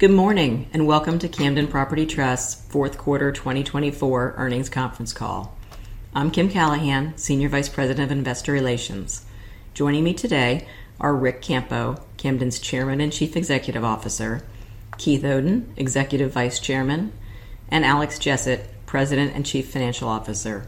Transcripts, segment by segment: Good morning and welcome to Camden Property Trust's Fourth Quarter 2024 earnings conference call. I'm Kim Callahan, Senior Vice President of Investor Relations. Joining me today are Rick Campo, Camden's Chairman and Chief Executive Officer, Keith Oden, Executive Vice Chairman, and Alex Jessett, President and Chief Financial Officer.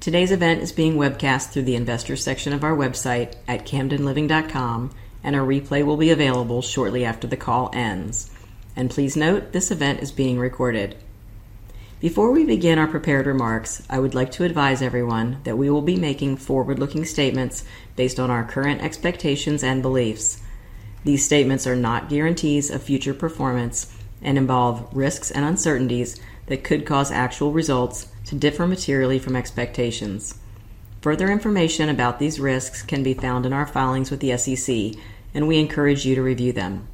Today's event is being webcast through the investor section of our website at camdenliving.com, and a replay will be available shortly after the call ends, and please note, this event is being recorded. Before we begin our prepared remarks, I would like to advise everyone that we will be making forward-looking statements based on our current expectations and beliefs. These statements are not guarantees of future performance and involve risks and uncertainties that could cause actual results to differ materially from expectations. Further information about these risks can be found in our filings with the SEC, and we encourage you to review them.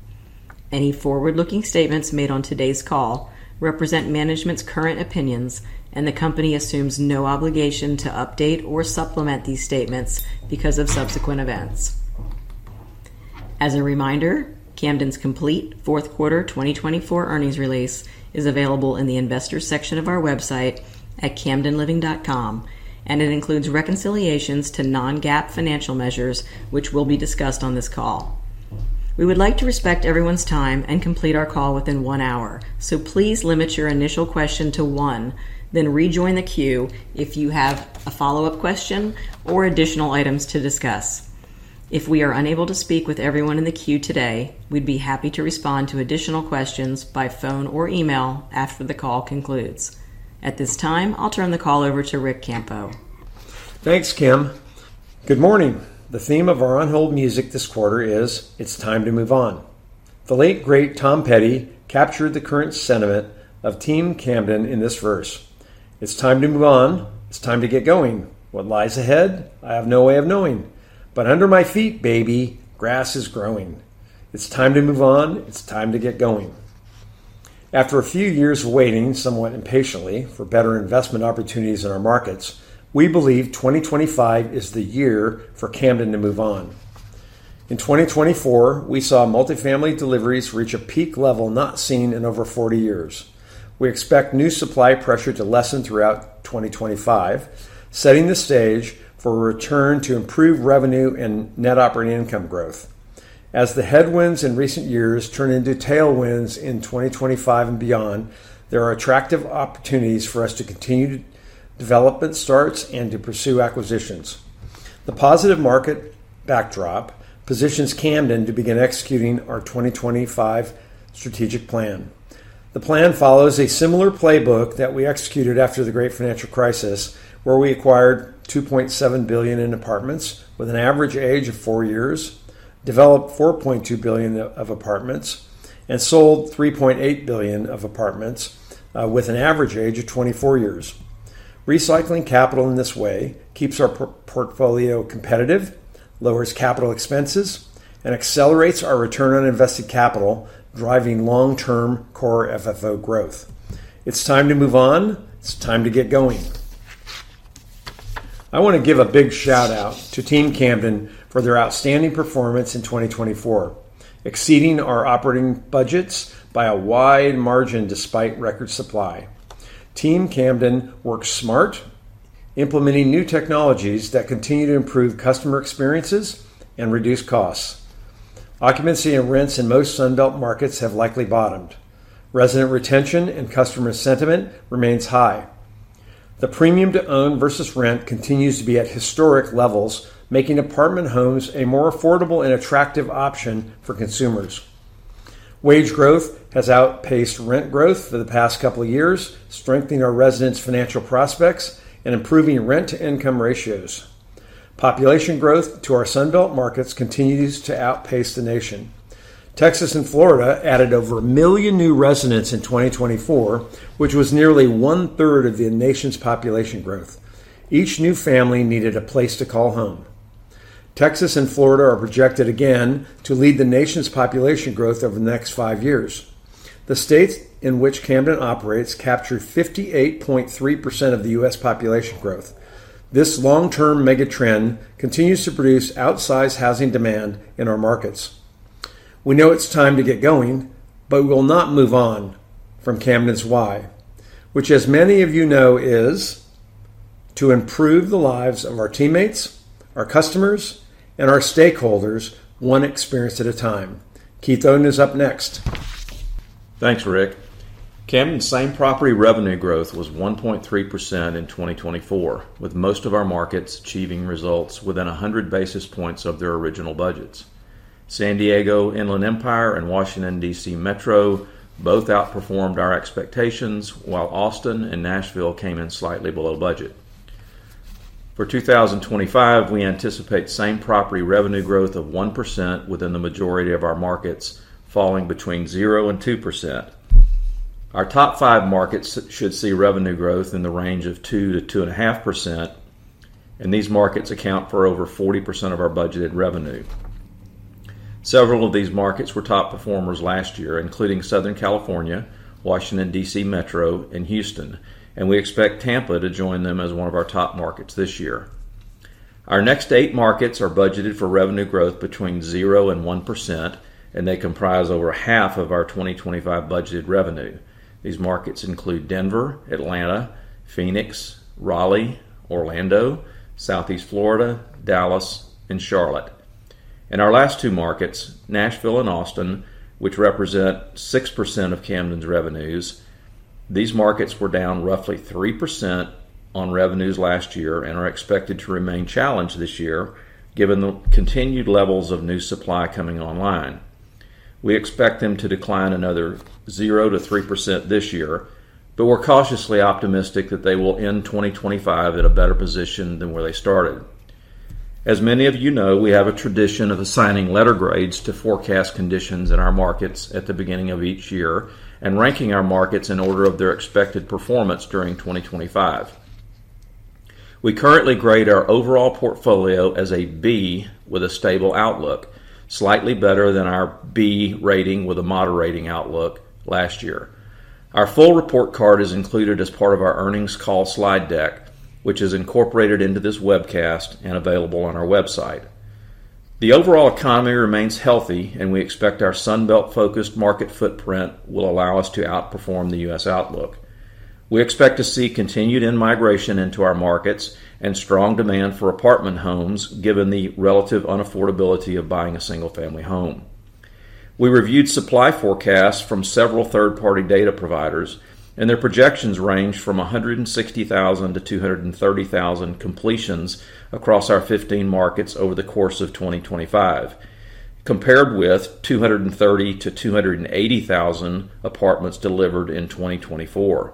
Any forward-looking statements made on today's call represent management's current opinions, and the company assumes no obligation to update or supplement these statements because of subsequent events. As a reminder, Camden's complete Fourth Quarter 2024 earnings release is available in the investor section of our website at camdenliving.com, and it includes reconciliations to non-GAAP financial measures, which will be discussed on this call. We would like to respect everyone's time and complete our call within one hour, so please limit your initial question to one, then rejoin the queue if you have a follow-up question or additional items to discuss. If we are unable to speak with everyone in the queue today, we'd be happy to respond to additional questions by phone or email after the call concludes. At this time, I'll turn the call over to Rick Campo. Thanks, Kim. Good morning. The theme of our hold music this quarter is, "It's time to move on." The late, great Tom Petty captured the current sentiment of Team Camden in this verse. It's time to move on. It's time to get going. What lies ahead? I have no way of knowing. But under my feet, baby, grass is growing. It's time to move on. It's time to get going. After a few years of waiting, somewhat impatiently, for better investment opportunities in our markets, we believe 2025 is the year for Camden to move on. In 2024, we saw multifamily deliveries reach a peak level not seen in over 40 years. We expect new supply pressure to lessen throughout 2025, setting the stage for a return to improved revenue and net operating income growth. As the headwinds in recent years turn into tailwinds in 2025 and beyond, there are attractive opportunities for us to continue development starts and to pursue acquisitions. The positive market backdrop positions Camden to begin executing our 2025 strategic plan. The plan follows a similar playbook that we executed after the Great Financial Crisis, where we acquired $2.7 billion in apartments with an average age of four years, developed $4.2 billion of apartments, and sold $3.8 billion of apartments with an average age of 24 years. Recycling capital in this way keeps our portfolio competitive, lowers capital expenses, and accelerates our return on invested capital, driving long-term core FFO growth. It's time to move on. It's time to get going. I want to give a big shout-out to Team Camden for their outstanding performance in 2024, exceeding our operating budgets by a wide margin despite record supply. Team Camden works smart, implementing new technologies that continue to improve customer experiences and reduce costs. Occupancy and rents in most Sunbelt markets have likely bottomed. Resident retention and customer sentiment remains high. The premium to own versus rent continues to be at historic levels, making apartment homes a more affordable and attractive option for consumers. Wage growth has outpaced rent growth for the past couple of years, strengthening our residents' financial prospects and improving rent-to-income ratios. Population growth to our Sunbelt markets continues to outpace the nation. Texas and Florida added over a million new residents in 2024, which was nearly one-third of the nation's population growth. Each new family needed a place to call home. Texas and Florida are projected again to lead the nation's population growth over the next five years. The states in which Camden operates capture 58.3% of the U.S. population growth. This long-term mega trend continues to produce outsized housing demand in our markets. We know it's time to get going, but we will not move on from Camden's why, which, as many of you know, is to improve the lives of our teammates, our customers, and our stakeholders, one experience at a time. Keith Oden is up next. Thanks, Rick. Camden's same-store revenue growth was 1.3% in 2024, with most of our markets achieving results within 100 basis points of their original budgets. San Diego Inland Empire and Washington, D.C. Metro both outperformed our expectations, while Austin and Nashville came in slightly below budget. For 2025, we anticipate same-store revenue growth of 1% within the majority of our markets, falling between 0% and 2%. Our top five markets should see revenue growth in the range of 2% to 2.5%, and these markets account for over 40% of our budgeted revenue. Several of these markets were top performers last year, including Southern California, Washington, D.C. Metro, and Houston, and we expect Tampa to join them as one of our top markets this year. Our next eight markets are budgeted for revenue growth between 0% and 1%, and they comprise over half of our 2025 budgeted revenue. These markets include Denver, Atlanta, Phoenix, Raleigh, Orlando, Southeast Florida, Dallas, and Charlotte, and our last two markets, Nashville and Austin, which represent 6% of Camden's revenues, these markets were down roughly 3% on revenues last year and are expected to remain challenged this year given the continued levels of new supply coming online. We expect them to decline another 0% to 3% this year, but we're cautiously optimistic that they will end 2025 in a better position than where they started. As many of you know, we have a tradition of assigning letter grades to forecast conditions in our markets at the beginning of each year and ranking our markets in order of their expected performance during 2025. We currently grade our overall portfolio as a B with a stable outlook, slightly better than our B rating with a moderating outlook last year. Our full report card is included as part of our earnings call slide deck, which is incorporated into this webcast and available on our website. The overall economy remains healthy, and we expect our Sunbelt-focused market footprint will allow us to outperform the U.S. outlook. We expect to see continued in-migration into our markets and strong demand for apartment homes given the relative unaffordability of buying a single-family home. We reviewed supply forecasts from several third-party data providers, and their projections range from 160,000 to 230,000 completions across our 15 markets over the course of 2025, compared with 230,000 to 280,000 apartments delivered in 2024.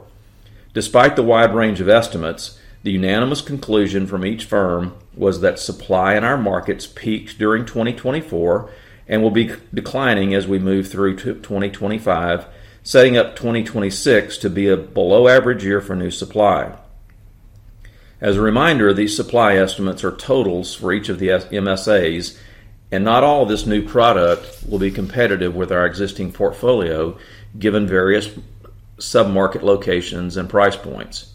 Despite the wide range of estimates, the unanimous conclusion from each firm was that supply in our markets peaked during 2024 and will be declining as we move through 2025, setting up 2026 to be a below-average year for new supply. As a reminder, these supply estimates are totals for each of the MSAs, and not all of this new product will be competitive with our existing portfolio given various sub-market locations and price points.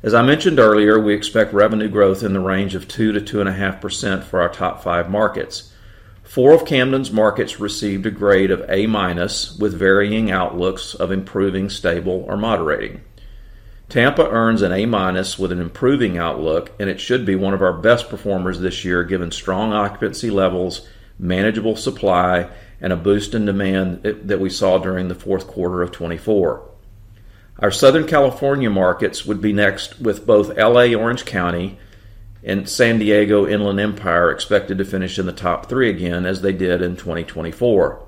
As I mentioned earlier, we expect revenue growth in the range of 2%-2.5% for our top five markets. Four of Camden's markets received a grade of A- with varying outlooks of improving, stable, or moderating. Tampa earns an A- with an improving outlook, and it should be one of our best performers this year given strong occupancy levels, manageable supply, and a boost in demand that we saw during the fourth quarter of 2024. Our Southern California markets would be next, with both L.A. Orange County and San Diego Inland Empire expected to finish in the top three again as they did in 2024.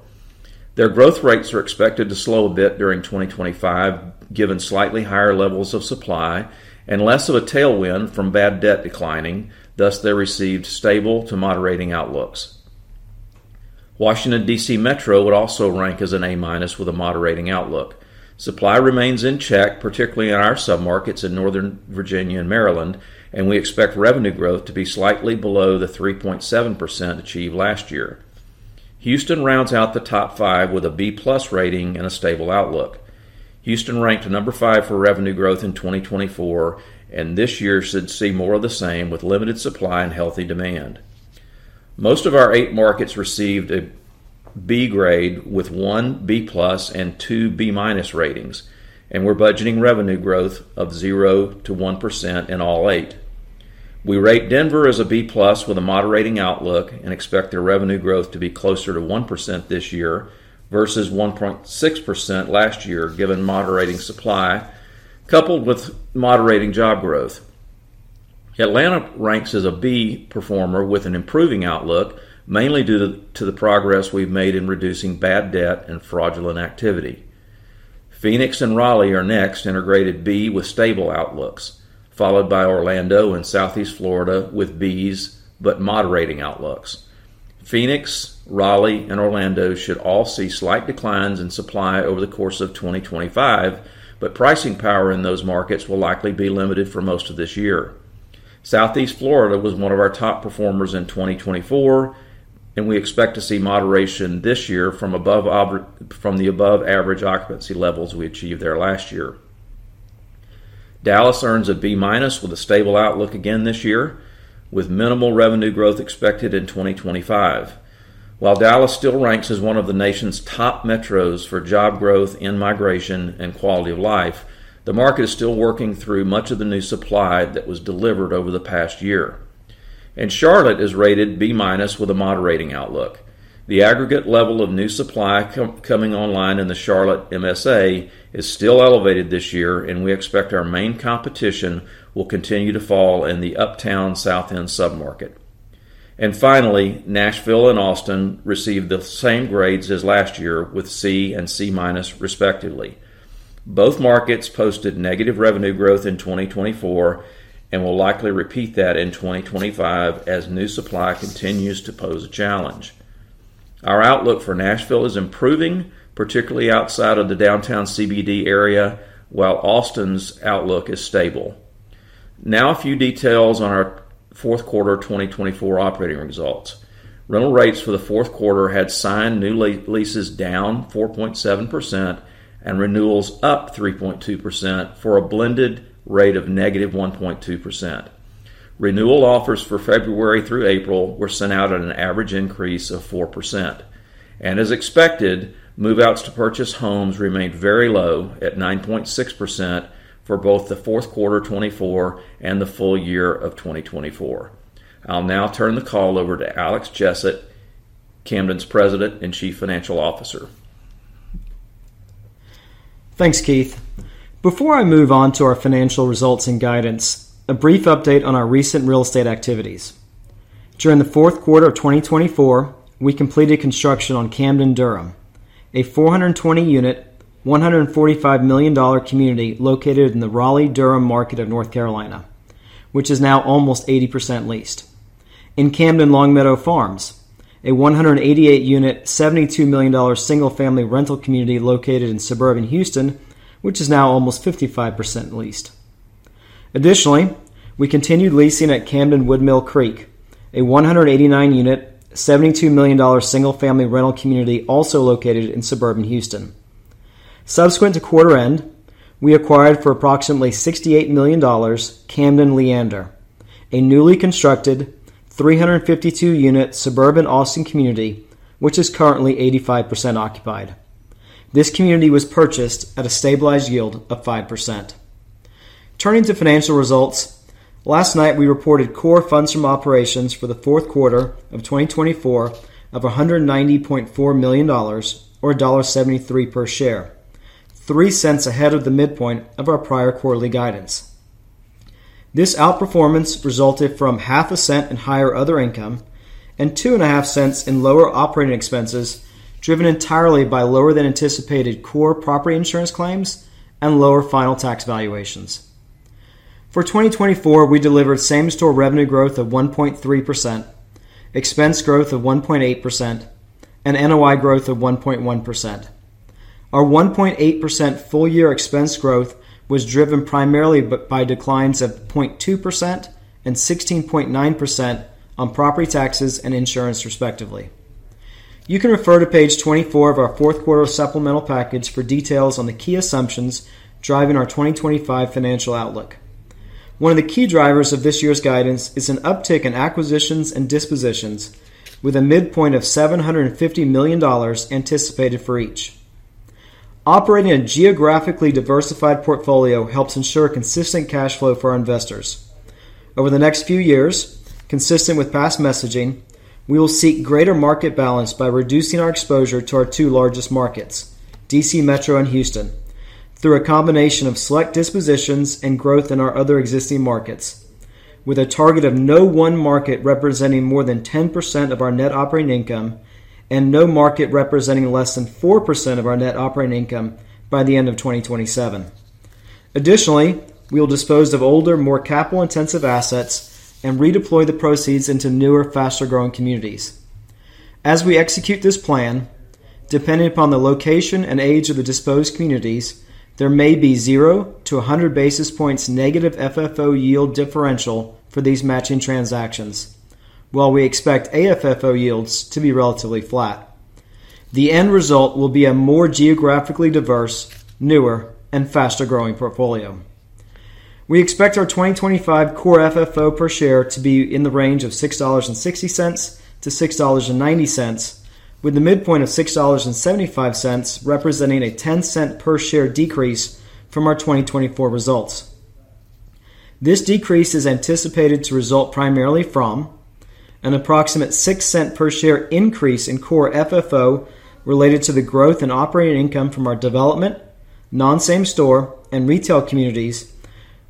Their growth rates are expected to slow a bit during 2025 given slightly higher levels of supply and less of a tailwind from bad debt declining. Thus, they received stable to moderating outlooks. Washington, D.C. Metro would also rank as an A- with a moderating outlook. Supply remains in check, particularly in our sub-markets in Northern Virginia and Maryland, and we expect revenue growth to be slightly below the 3.7% achieved last year. Houston rounds out the top five with a B-plus rating and a stable outlook. Houston ranked number five for revenue growth in 2024, and this year should see more of the same with limited supply and healthy demand. Most of our eight markets received a B grade with one B-plus and two B-ratings, and we're budgeting revenue growth of 0%-1% in all eight. We rate Denver as a B-plus with a moderating outlook and expect their revenue growth to be closer to 1% this year versus 1.6% last year given moderating supply coupled with moderating job growth. Atlanta ranks as a B performer with an improving outlook, mainly due to the progress we've made in reducing bad debt and fraudulent activity. Phoenix and Raleigh are next, rated B with stable outlooks, followed by Orlando and Southeast Florida with Bs but moderating outlooks. Phoenix, Raleigh, and Orlando should all see slight declines in supply over the course of 2025, but pricing power in those markets will likely be limited for most of this year. Southeast Florida was one of our top performers in 2024, and we expect to see moderation this year from the above-average occupancy levels we achieved there last year. Dallas earns a B- with a stable outlook again this year, with minimal revenue growth expected in 2025. While Dallas still ranks as one of the nation's top metros for job growth, in-migration, and quality of life, the market is still working through much of the new supply that was delivered over the past year. Charlotte is rated B- with a moderating outlook. The aggregate level of new supply coming online in the Charlotte MSA is still elevated this year, and we expect our main competition will continue to fall in the Uptown South End sub-market. Finally, Nashville and Austin received the same grades as last year with C and C- respectively. Both markets posted negative revenue growth in 2024 and will likely repeat that in 2025 as new supply continues to pose a challenge. Our outlook for Nashville is improving, particularly outside of the Downtown CBD area, while Austin's outlook is stable. Now, a few details on our fourth quarter 2024 operating results. Rental rates for the fourth quarter had signed new leases down 4.7% and renewals up 3.2% for a blended rate of negative 1.2%. Renewal offers for February through April were sent out at an average increase of 4%. And as expected, move-outs to purchase homes remained very low at 9.6% for both the fourth quarter 2024 and the full year of 2024. I'll now turn the call over to Alex Jessett, Camden's President and Chief Financial Officer. Thanks, Keith. Before I move on to our financial results and guidance, a brief update on our recent real estate activities. During the fourth quarter of 2024, we completed construction on Camden Durham, a 420-unit $145 million community located in the Raleigh-Durham market of North Carolina, which is now almost 80% leased. In Camden Long Meadow Farms, a 188-unit $72 million single-family rental community located in suburban Houston, which is now almost 55% leased. Additionally, we continued leasing at Camden Woodmill Creek, a 189-unit $72 million single-family rental community also located in suburban Houston. Subsequent to quarter end, we acquired for approximately $68 million Camden Leander, a newly constructed 352-unit suburban Austin community, which is currently 85% occupied. This community was purchased at a stabilized yield of 5%. Turning to financial results, last night we reported core funds from operations for the fourth quarter of 2024 of $190.4 million, or $1.73 per share, $0.03 ahead of the midpoint of our prior quarterly guidance. This outperformance resulted from $0.005 in higher other income and $0.025 in lower operating expenses, driven entirely by lower-than-anticipated core property insurance claims and lower final tax valuations. For 2024, we delivered same-store revenue growth of 1.3%, expense growth of 1.8%, and NOI growth of 1.1%. Our 1.8% full-year expense growth was driven primarily by declines of 0.2% and 16.9% on property taxes and insurance, respectively. You can refer to page 24 of our fourth quarter supplemental package for details on the key assumptions driving our 2025 financial outlook. One of the key drivers of this year's guidance is an uptick in acquisitions and dispositions, with a midpoint of $750 million anticipated for each. Operating a geographically diversified portfolio helps ensure consistent cash flow for our investors. Over the next few years, consistent with past messaging, we will seek greater market balance by reducing our exposure to our two largest markets, D.C. Metro and Houston, through a combination of select dispositions and growth in our other existing markets, with a target of no one market representing more than 10% of our net operating income and no market representing less than 4% of our net operating income by the end of 2027. Additionally, we will dispose of older, more capital-intensive assets and redeploy the proceeds into newer, faster-growing communities. As we execute this plan, depending upon the location and age of the disposed communities, there may be 0% to 100 basis points negative FFO yield differential for these matching transactions, while we expect AFFO yields to be relatively flat. The end result will be a more geographically diverse, newer, and faster-growing portfolio. We expect our 2025 core FFO per share to be in the range of $6.60-$6.90, with the midpoint of $6.75 representing a $0.10 per share decrease from our 2024 results. This decrease is anticipated to result primarily from an approximate $0.06 per share increase in core FFO related to the growth in operating income from our development, non-same-store, and retail communities,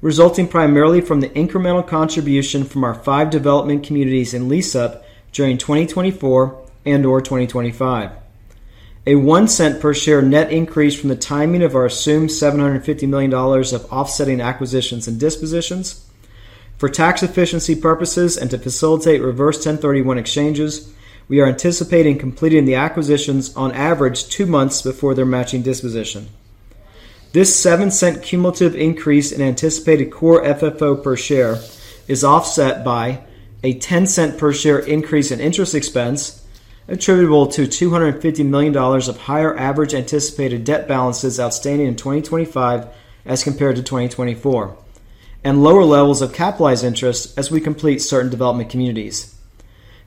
resulting primarily from the incremental contribution from our five development communities in lease-up during 2024 and/or 2025. A $0.01 per share net increase from the timing of our assumed $750 million of offsetting acquisitions and dispositions. For tax efficiency purposes and to facilitate reverse 1031 exchanges, we are anticipating completing the acquisitions on average two months before their matching disposition. This $0.07 cumulative increase in anticipated core FFO per share is offset by a $0.10 per share increase in interest expense attributable to $250 million of higher average anticipated debt balances outstanding in 2025 as compared to 2024, and lower levels of capitalized interest as we complete certain development communities.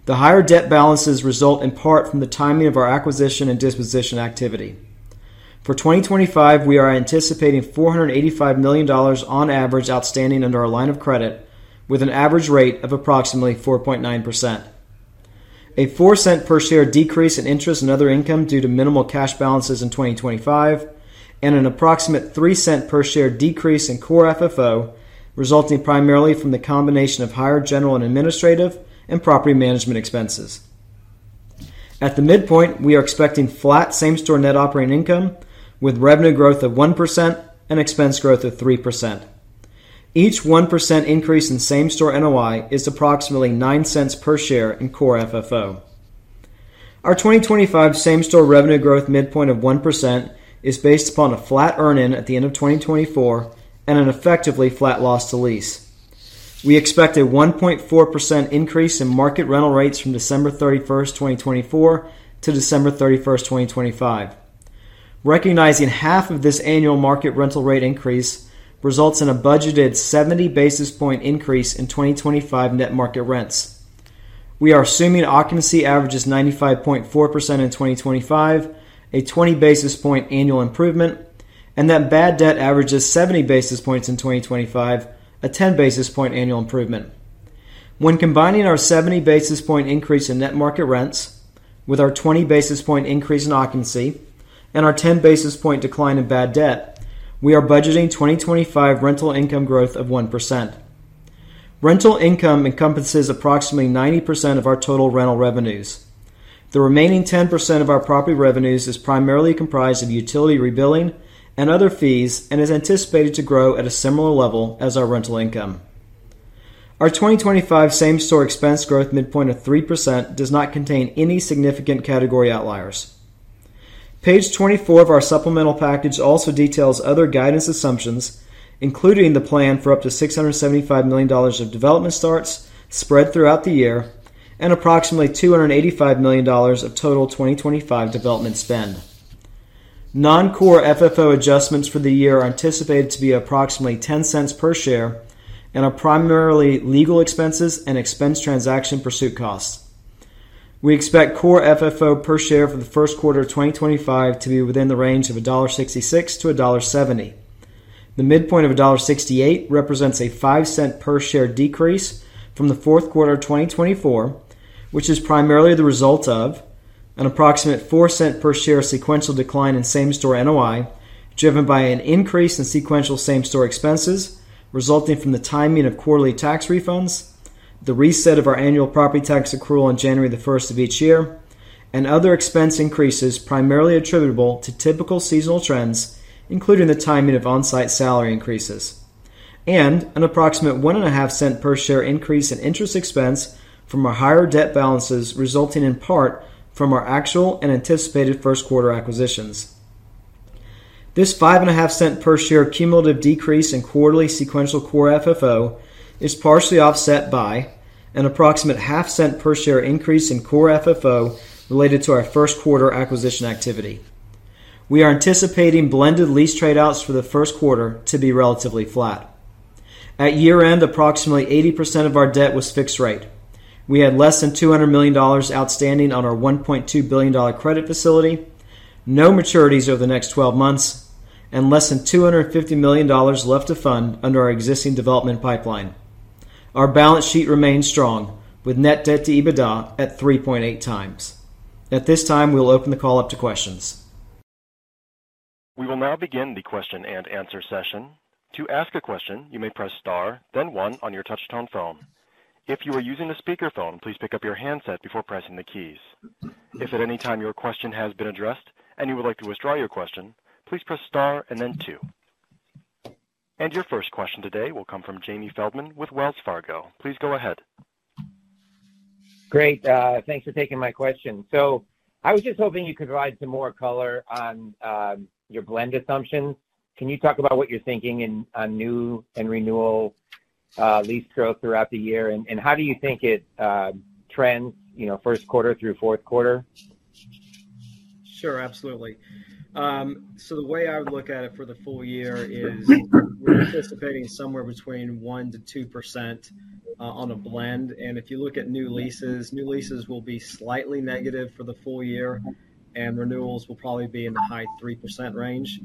The higher debt balances result in part from the timing of our acquisition and disposition activity. For 2025, we are anticipating $485 million on average outstanding under our line of credit, with an average rate of approximately 4.9%. A $0.04 per share decrease in interest and other income due to minimal cash balances in 2025, and an approximate $0.03 per share decrease in core FFO resulting primarily from the combination of higher general and administrative and property management expenses. At the midpoint, we are expecting flat same-store net operating income with revenue growth of 1% and expense growth of 3%. Each 1% increase in same-store NOI is approximately $0.09 per share in core FFO. Our 2025 same-store revenue growth midpoint of 1% is based upon a flat earn-in at the end of 2024 and an effectively flat loss to lease. We expect a 1.4% increase in market rental rates from December 31, 2024, to December 31, 2025. Recognizing half of this annual market rental rate increase results in a budgeted 70 basis point increase in 2025 net market rents. We are assuming occupancy averages 95.4% in 2025, a 20 basis point annual improvement, and that bad debt averages 70 basis points in 2025, a 10 basis point annual improvement. When combining our 70 basis point increase in net market rents with our 20 basis point increase in occupancy and our 10 basis point decline in bad debt, we are budgeting 2025 rental income growth of 1%. Rental income encompasses approximately 90% of our total rental revenues. The remaining 10% of our property revenues is primarily comprised of utility rebilling and other fees and is anticipated to grow at a similar level as our rental income. Our 2025 same-store expense growth midpoint of 3% does not contain any significant category outliers. Page 24 of our supplemental package also details other guidance assumptions, including the plan for up to $675 million of development starts spread throughout the year and approximately $285 million of total 2025 development spend. Non-core FFO adjustments for the year are anticipated to be approximately $0.10 per share and are primarily legal expenses and expense transaction pursuit costs. We expect core FFO per share for the first quarter of 2025 to be within the range of $1.66-$1.70. The midpoint of $1.68 represents a $0.05 per share decrease from the fourth quarter of 2024, which is primarily the result of an approximate $0.04 per share sequential decline in same-store NOI driven by an increase in sequential same-store expenses resulting from the timing of quarterly tax refunds, the reset of our annual property tax accrual on January 1 of each year, and other expense increases primarily attributable to typical seasonal trends, including the timing of on-site salary increases, and an approximate $0.015 per share increase in interest expense from our higher debt balances resulting in part from our actual and anticipated first quarter acquisitions. This $0.055 per share cumulative decrease in quarterly sequential core FFO is partially offset by an approximate $0.005 per share increase in core FFO related to our first quarter acquisition activity. We are anticipating blended lease trade-outs for the first quarter to be relatively flat. At year-end, approximately 80% of our debt was fixed rate. We had less than $200 million outstanding on our $1.2 billion credit facility, no maturities over the next 12 months, and less than $250 million left to fund under our existing development pipeline. Our balance sheet remained strong, with net debt to EBITDA at 3.8 times. At this time, we'll open the call up to questions. We will now begin the question and answer session. To ask a question, you may press star, then one on your touch-tone phone. If you are using a speakerphone, please pick up your handset before pressing the keys. If at any time your question has been addressed and you would like to withdraw your question, please press star and then two. And your first question today will come from Jamie Feldman with Wells Fargo. Please go ahead. Great. Thanks for taking my question. So I was just hoping you could provide some more color on your blend assumptions. Can you talk about what you're thinking on new and renewal lease growth throughout the year, and how do you think it trends first quarter through fourth quarter? Sure, absolutely, so the way I would look at it for the full year is we're anticipating somewhere between 1% to 2% on a blend, and if you look at new leases, new leases will be slightly negative for the full year, and renewals will probably be in the high 3% range.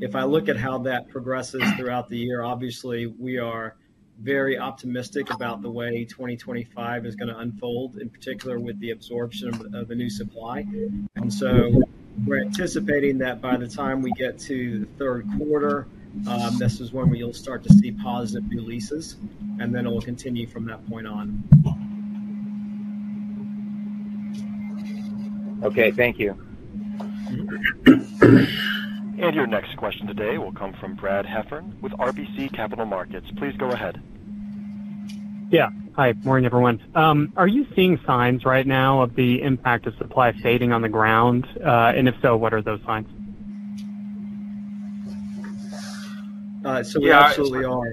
If I look at how that progresses throughout the year, obviously, we are very optimistic about the way 2025 is going to unfold, in particular with the absorption of the new supply, and so we're anticipating that by the time we get to the third quarter, this is when we'll start to see positive new leases, and then it will continue from that point on. Okay, thank you. Your next question today will come from Brad Heffern with RBC Capital Markets. Please go ahead. Yeah. Hi. Morning, everyone. Are you seeing signs right now of the impact of supply fading on the ground? And if so, what are those signs? So we absolutely are.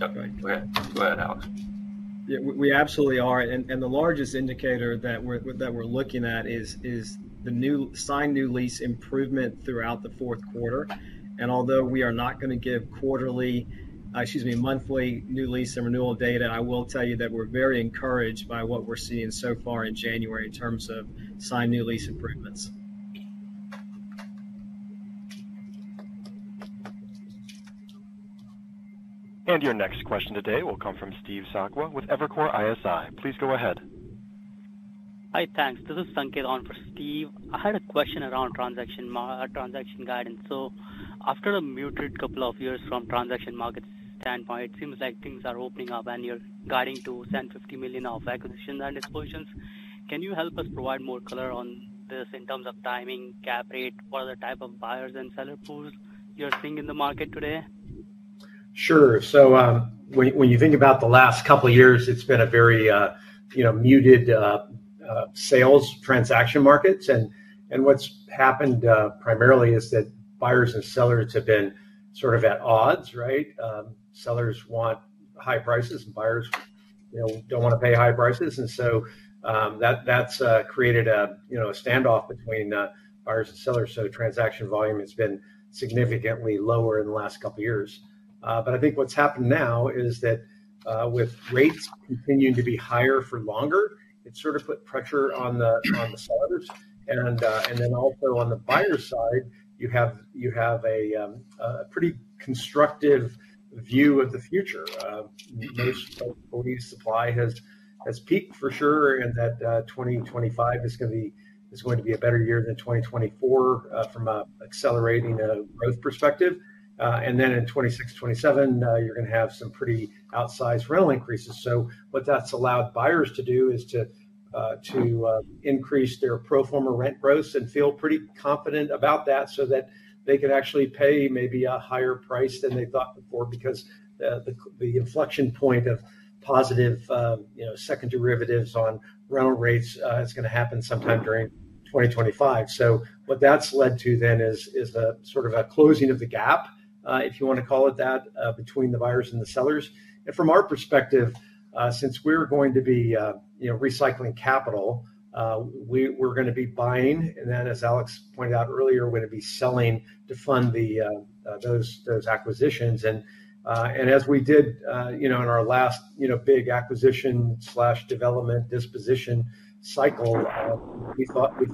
Yeah, go ahead. Go ahead, Alex. Yeah, we absolutely are. And the largest indicator that we're looking at is the signed new lease improvement throughout the fourth quarter. And although we are not going to give quarterly, excuse me, monthly new lease and renewal data, I will tell you that we're very encouraged by what we're seeing so far in January in terms of signed new lease improvements. Your next question today will come from Steve Sakwa with Evercore ISI. Please go ahead. Hi, thanks. This is Sanket for Steve. I had a question around transaction guidance. So after a muted couple of years from transaction market standpoint, it seems like things are opening up and you're guiding to spend $50 million of acquisitions and dispositions. Can you help us provide more color on this in terms of timing, cap rate, what other type of buyers and seller pools you're seeing in the market today? Sure. So when you think about the last couple of years, it's been a very muted sales transaction markets. And what's happened primarily is that buyers and sellers have been sort of at odds, right? Sellers want high prices and buyers don't want to pay high prices. And so that's created a standoff between buyers and sellers. So transaction volume has been significantly lower in the last couple of years. But I think what's happened now is that with rates continuing to be higher for longer, it's sort of put pressure on the sellers. And then on the buyer side, you have a pretty constructive view of the future. Most of the supply has peaked for sure, and that 2025 is going to be a better year than 2024 from an accelerating growth perspective. And then in 2026, 2027, you're going to have some pretty outsized rental increases. So what that's allowed buyers to do is to increase their pro forma rent growth and feel pretty confident about that so that they can actually pay maybe a higher price than they thought before because the inflection point of positive second derivatives on rental rates is going to happen sometime during 2025. So what that's led to then is sort of a closing of the gap, if you want to call it that, between the buyers and the sellers. And from our perspective, since we're going to be recycling capital, we're going to be buying. And then, as Alex pointed out earlier, we're going to be selling to fund those acquisitions. As we did in our last big acquisition/development disposition cycle, we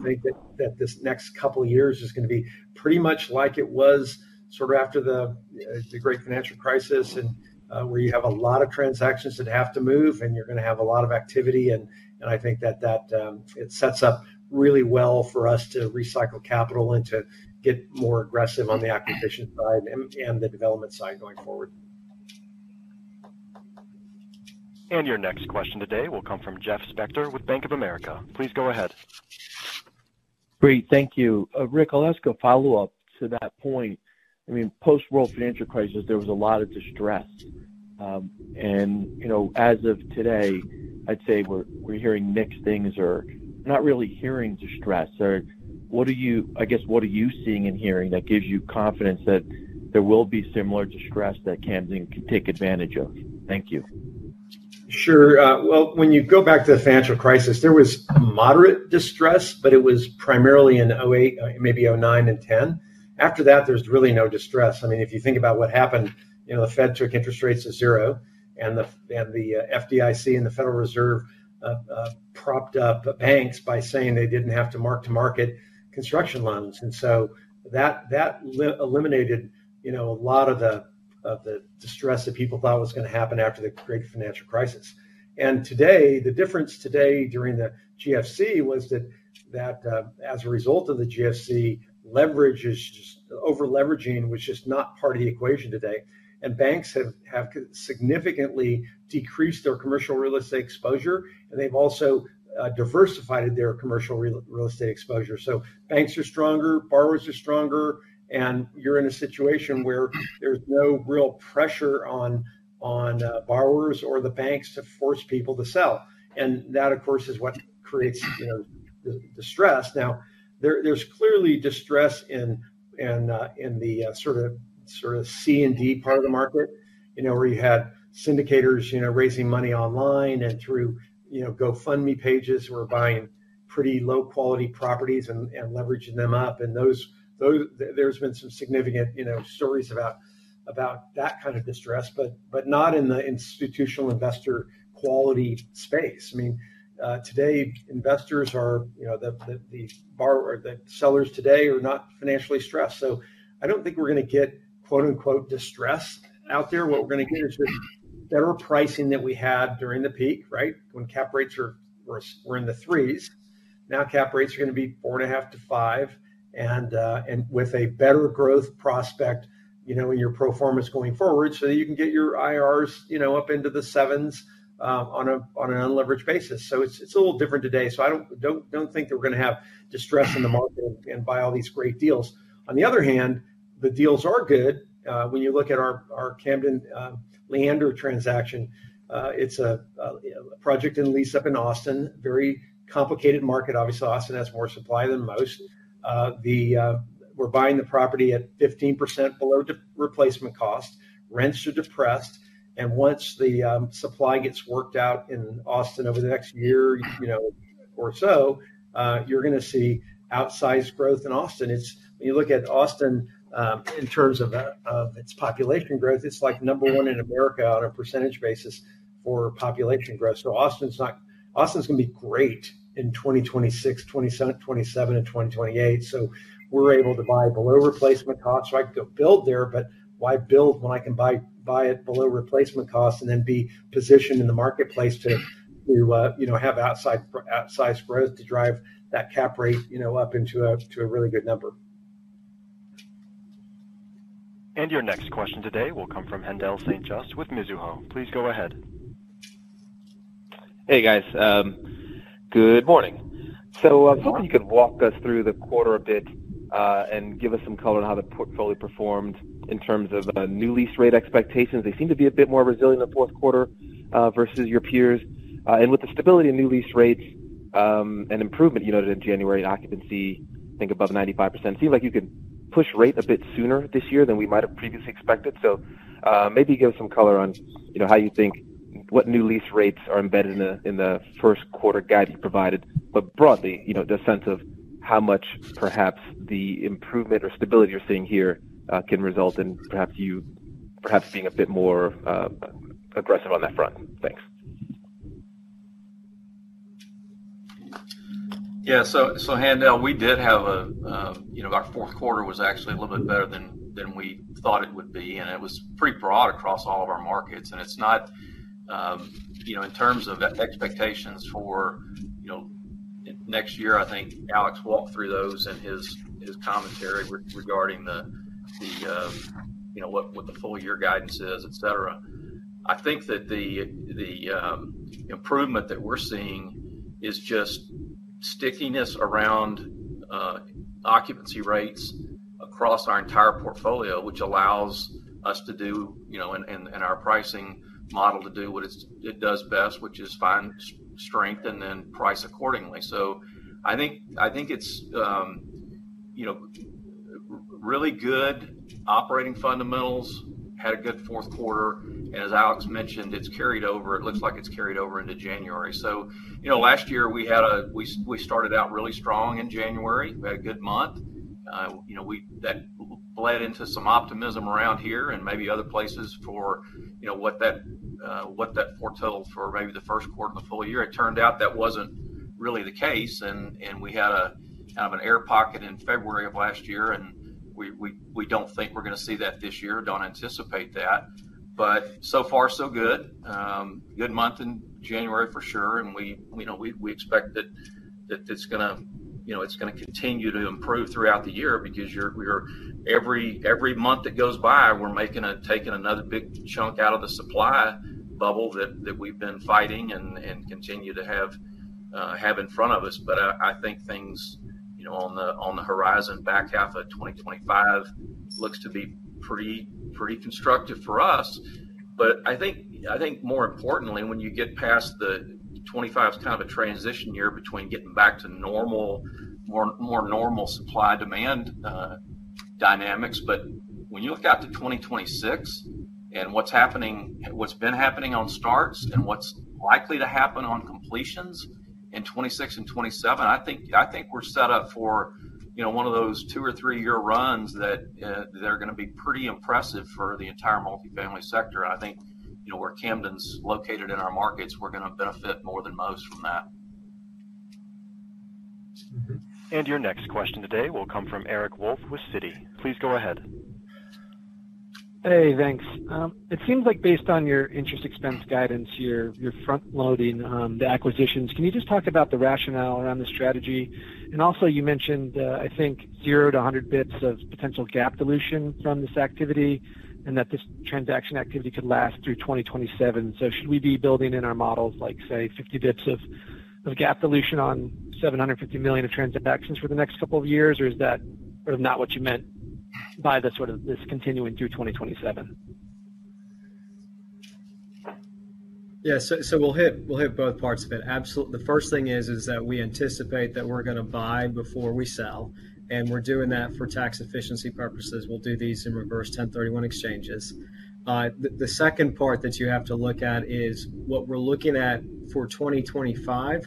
think that this next couple of years is going to be pretty much like it was sort of after the great financial crisis and where you have a lot of transactions that have to move and you're going to have a lot of activity. I think that it sets up really well for us to recycle capital and to get more aggressive on the acquisition side and the development side going forward. Your next question today will come from Jeff Spector with Bank of America. Please go ahead. Great. Thank you. Rick, I'll ask a follow-up to that point. I mean, post-world financial crisis, there was a lot of distress. And as of today, I'd say we're hearing mixed things or not really hearing distress. I guess, what are you seeing and hearing that gives you confidence that there will be similar distress that Camden can take advantage of? Thank you. Sure. Well, when you go back to the financial crisis, there was moderate distress, but it was primarily in maybe 2009 and 2010. After that, there's really no distress. I mean, if you think about what happened, the Fed took interest rates to zero, and the FDIC and the Federal Reserve propped up banks by saying they didn't have to mark-to-market construction loans. And so that eliminated a lot of the distress that people thought was going to happen after the great financial crisis. And today, the difference today during the GFC was that as a result of the GFC, leverage is just over-leveraging was just not part of the equation today. And banks have significantly decreased their commercial real estate exposure, and they've also diversified their commercial real estate exposure. So banks are stronger, borrowers are stronger, and you're in a situation where there's no real pressure on borrowers or the banks to force people to sell. And that, of course, is what creates distress. Now, there's clearly distress in the sort of C&D part of the market where you had syndicators raising money online and through GoFundMe pages who were buying pretty low-quality properties and leveraging them up. And there's been some significant stories about that kind of distress, but not in the institutional investor quality space. I mean, today, investors are the sellers, not financially stressed. So I don't think we're going to get "distress" out there. What we're going to get is just better pricing than we had during the peak, right, when cap rates were in the threes. Now, cap rates are going to be 4.5-5, and with a better growth prospect in your pro formas going forward so that you can get your IRRs up into the sevens on an unleveraged basis, so it's a little different today, so I don't think that we're going to have distress in the market and buy all these great deals. On the other hand, the deals are good. When you look at our Camden Leander transaction, it's a project in lease-up in Austin, very complicated market. Obviously, Austin has more supply than most. We're buying the property at 15% below replacement cost. Rents are depressed, and once the supply gets worked out in Austin over the next year or so, you're going to see outsized growth in Austin. When you look at Austin in terms of its population growth, it's like number one in America on a percentage basis for population growth. So Austin's going to be great in 2026, 2027, and 2028. So we're able to buy below replacement cost. So I could go build there, but why build when I can buy it below replacement cost and then be positioned in the marketplace to have outsized growth to drive that cap rate up into a really good number. Your next question today will come from Haendel St. Juste with Mizuho. Please go ahead. Hey, guys. Good morning. So I was hoping you could walk us through the quarter a bit and give us some color on how the portfolio performed in terms of new lease rate expectations. They seem to be a bit more resilient in the fourth quarter versus your peers. And with the stability of new lease rates and improvement noted in January and occupancy, I think, above 95%, it seems like you could push rate a bit sooner this year than we might have previously expected. So maybe give us some color on how you think what new lease rates are embedded in the first quarter guide you provided, but broadly, the sense of how much perhaps the improvement or stability you're seeing here can result in perhaps you being a bit more aggressive on that front. Thanks. Yeah. So, Haendel, we did have our fourth quarter was actually a little bit better than we thought it would be. And it was pretty broad across all of our markets. And it's not in terms of expectations for next year. I think Alex walked through those in his commentary regarding what the full year guidance is, etc. I think that the improvement that we're seeing is just stickiness around occupancy rates across our entire portfolio, which allows us to do and our pricing model to do what it does best, which is find strength and then price accordingly. So I think it's really good operating fundamentals, had a good fourth quarter. And as Alex mentioned, it's carried over. It looks like it's carried over into January. So last year, we started out really strong in January. We had a good month. That bled into some optimism around here and maybe other places for what that foretold for maybe the first quarter of the full year. It turned out that wasn't really the case. And we had kind of an air pocket in February of last year. And we don't think we're going to see that this year. Don't anticipate that. But so far, so good. Good month in January for sure. And we expect that it's going to continue to improve throughout the year because every month that goes by, we're taking another big chunk out of the supply bubble that we've been fighting and continue to have in front of us. But I think things on the horizon back half of 2025 looks to be pretty constructive for us. But I think more importantly, when you get past the 2025 is kind of a transition year between getting back to more normal supply-demand dynamics. But when you look out to 2026 and what's been happening on starts and what's likely to happen on completions in 2026 and 2027, I think we're set up for one of those two or three-year runs that are going to be pretty impressive for the entire multifamily sector. And I think where Camden's located in our markets, we're going to benefit more than most from that. And your next question today will come from Eric Wolfe with Citi. Please go ahead. Hey, thanks. It seems like based on your interest expense guidance, your front-loading, the acquisitions, can you just talk about the rationale around the strategy? And also, you mentioned, I think, zero to 100 bits of potential GAAP dilution from this activity and that this transaction activity could last through 2027. So should we be building in our models, like, say, 50 bits of GAAP dilution on $750 million of transactions for the next couple of years, or is that sort of not what you meant by sort of this continuing through 2027? Yeah. So we'll hit both parts of it. The first thing is that we anticipate that we're going to buy before we sell. And we're doing that for tax efficiency purposes. We'll do these in reverse 1031 exchanges. The second part that you have to look at is what we're looking at for 2025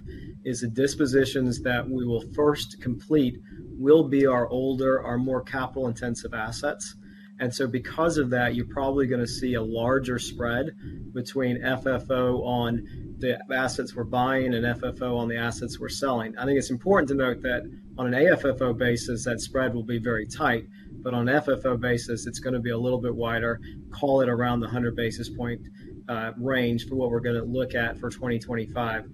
is the dispositions that we will first complete will be our older, our more capital-intensive assets. And so because of that, you're probably going to see a larger spread between FFO on the assets we're buying and FFO on the assets we're selling. I think it's important to note that on an AFFO basis, that spread will be very tight. But on an FFO basis, it's going to be a little bit wider, call it around the 100 basis point range for what we're going to look at for 2025.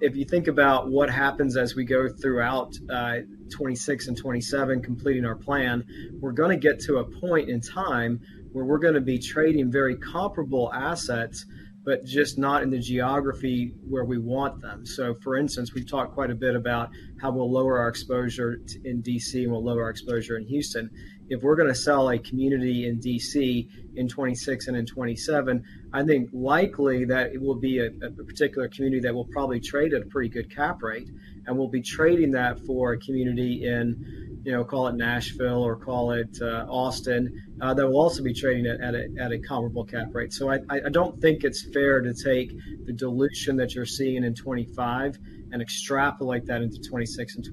If you think about what happens as we go throughout 2026 and 2027 completing our plan, we're going to get to a point in time where we're going to be trading very comparable assets, but just not in the geography where we want them. So, for instance, we've talked quite a bit about how we'll lower our exposure in DC and we'll lower our exposure in Houston. If we're going to sell a community in DC in 2026 and in 2027, I think likely that it will be a particular community that will probably trade at a pretty good cap rate. And we'll be trading that for a community in, call it Nashville or call it Austin that will also be trading at a comparable cap rate. So I don't think it's fair to take the dilution that you're seeing in 2025 and extrapolate that into 2026 and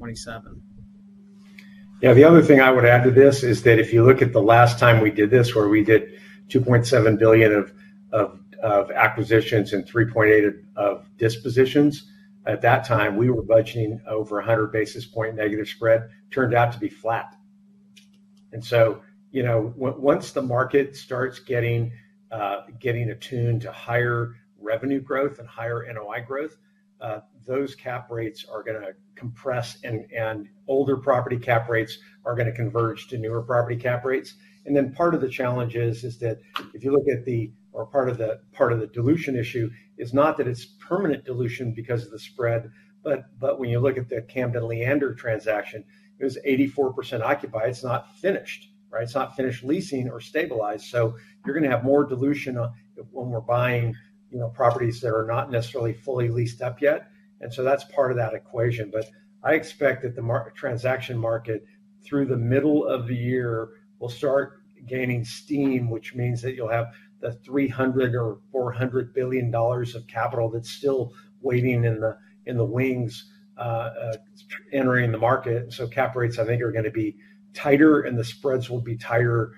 2027. Yeah. The other thing I would add to this is that if you look at the last time we did this where we did $2.7 billion of acquisitions and $3.8 billion of dispositions, at that time, we were budgeting over 100 basis point negative spread turned out to be flat. And so once the market starts getting attuned to higher revenue growth and higher NOI growth, those cap rates are going to compress and older property cap rates are going to converge to newer property cap rates. And then part of the challenge is that if you look at part of the dilution issue is not that it's permanent dilution because of the spread, but when you look at the Camden Leander transaction, it was 84% occupied. It's not finished, right? It's not finished leasing or stabilized. You're going to have more dilution when we're buying properties that are not necessarily fully leased up yet. And so that's part of that equation. But I expect that the transaction market through the middle of the year will start gaining steam, which means that you'll have the $300 billion-$400 billion of capital that's still waiting in the wings entering the market. So cap rates, I think, are going to be tighter and the spreads will be tighter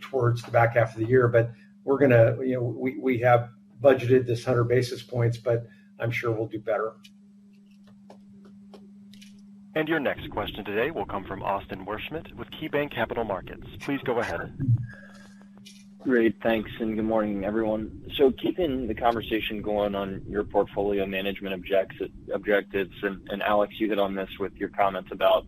towards the back half of the year. But we're going to have budgeted this 100 basis points, but I'm sure we'll do better. Your next question today will come from Austin Wurschmidt with KeyBanc Capital Markets. Please go ahead. Great. Thanks, and good morning, everyone. Keeping the conversation going on your portfolio management objectives, and Alex, you hit on this with your comments about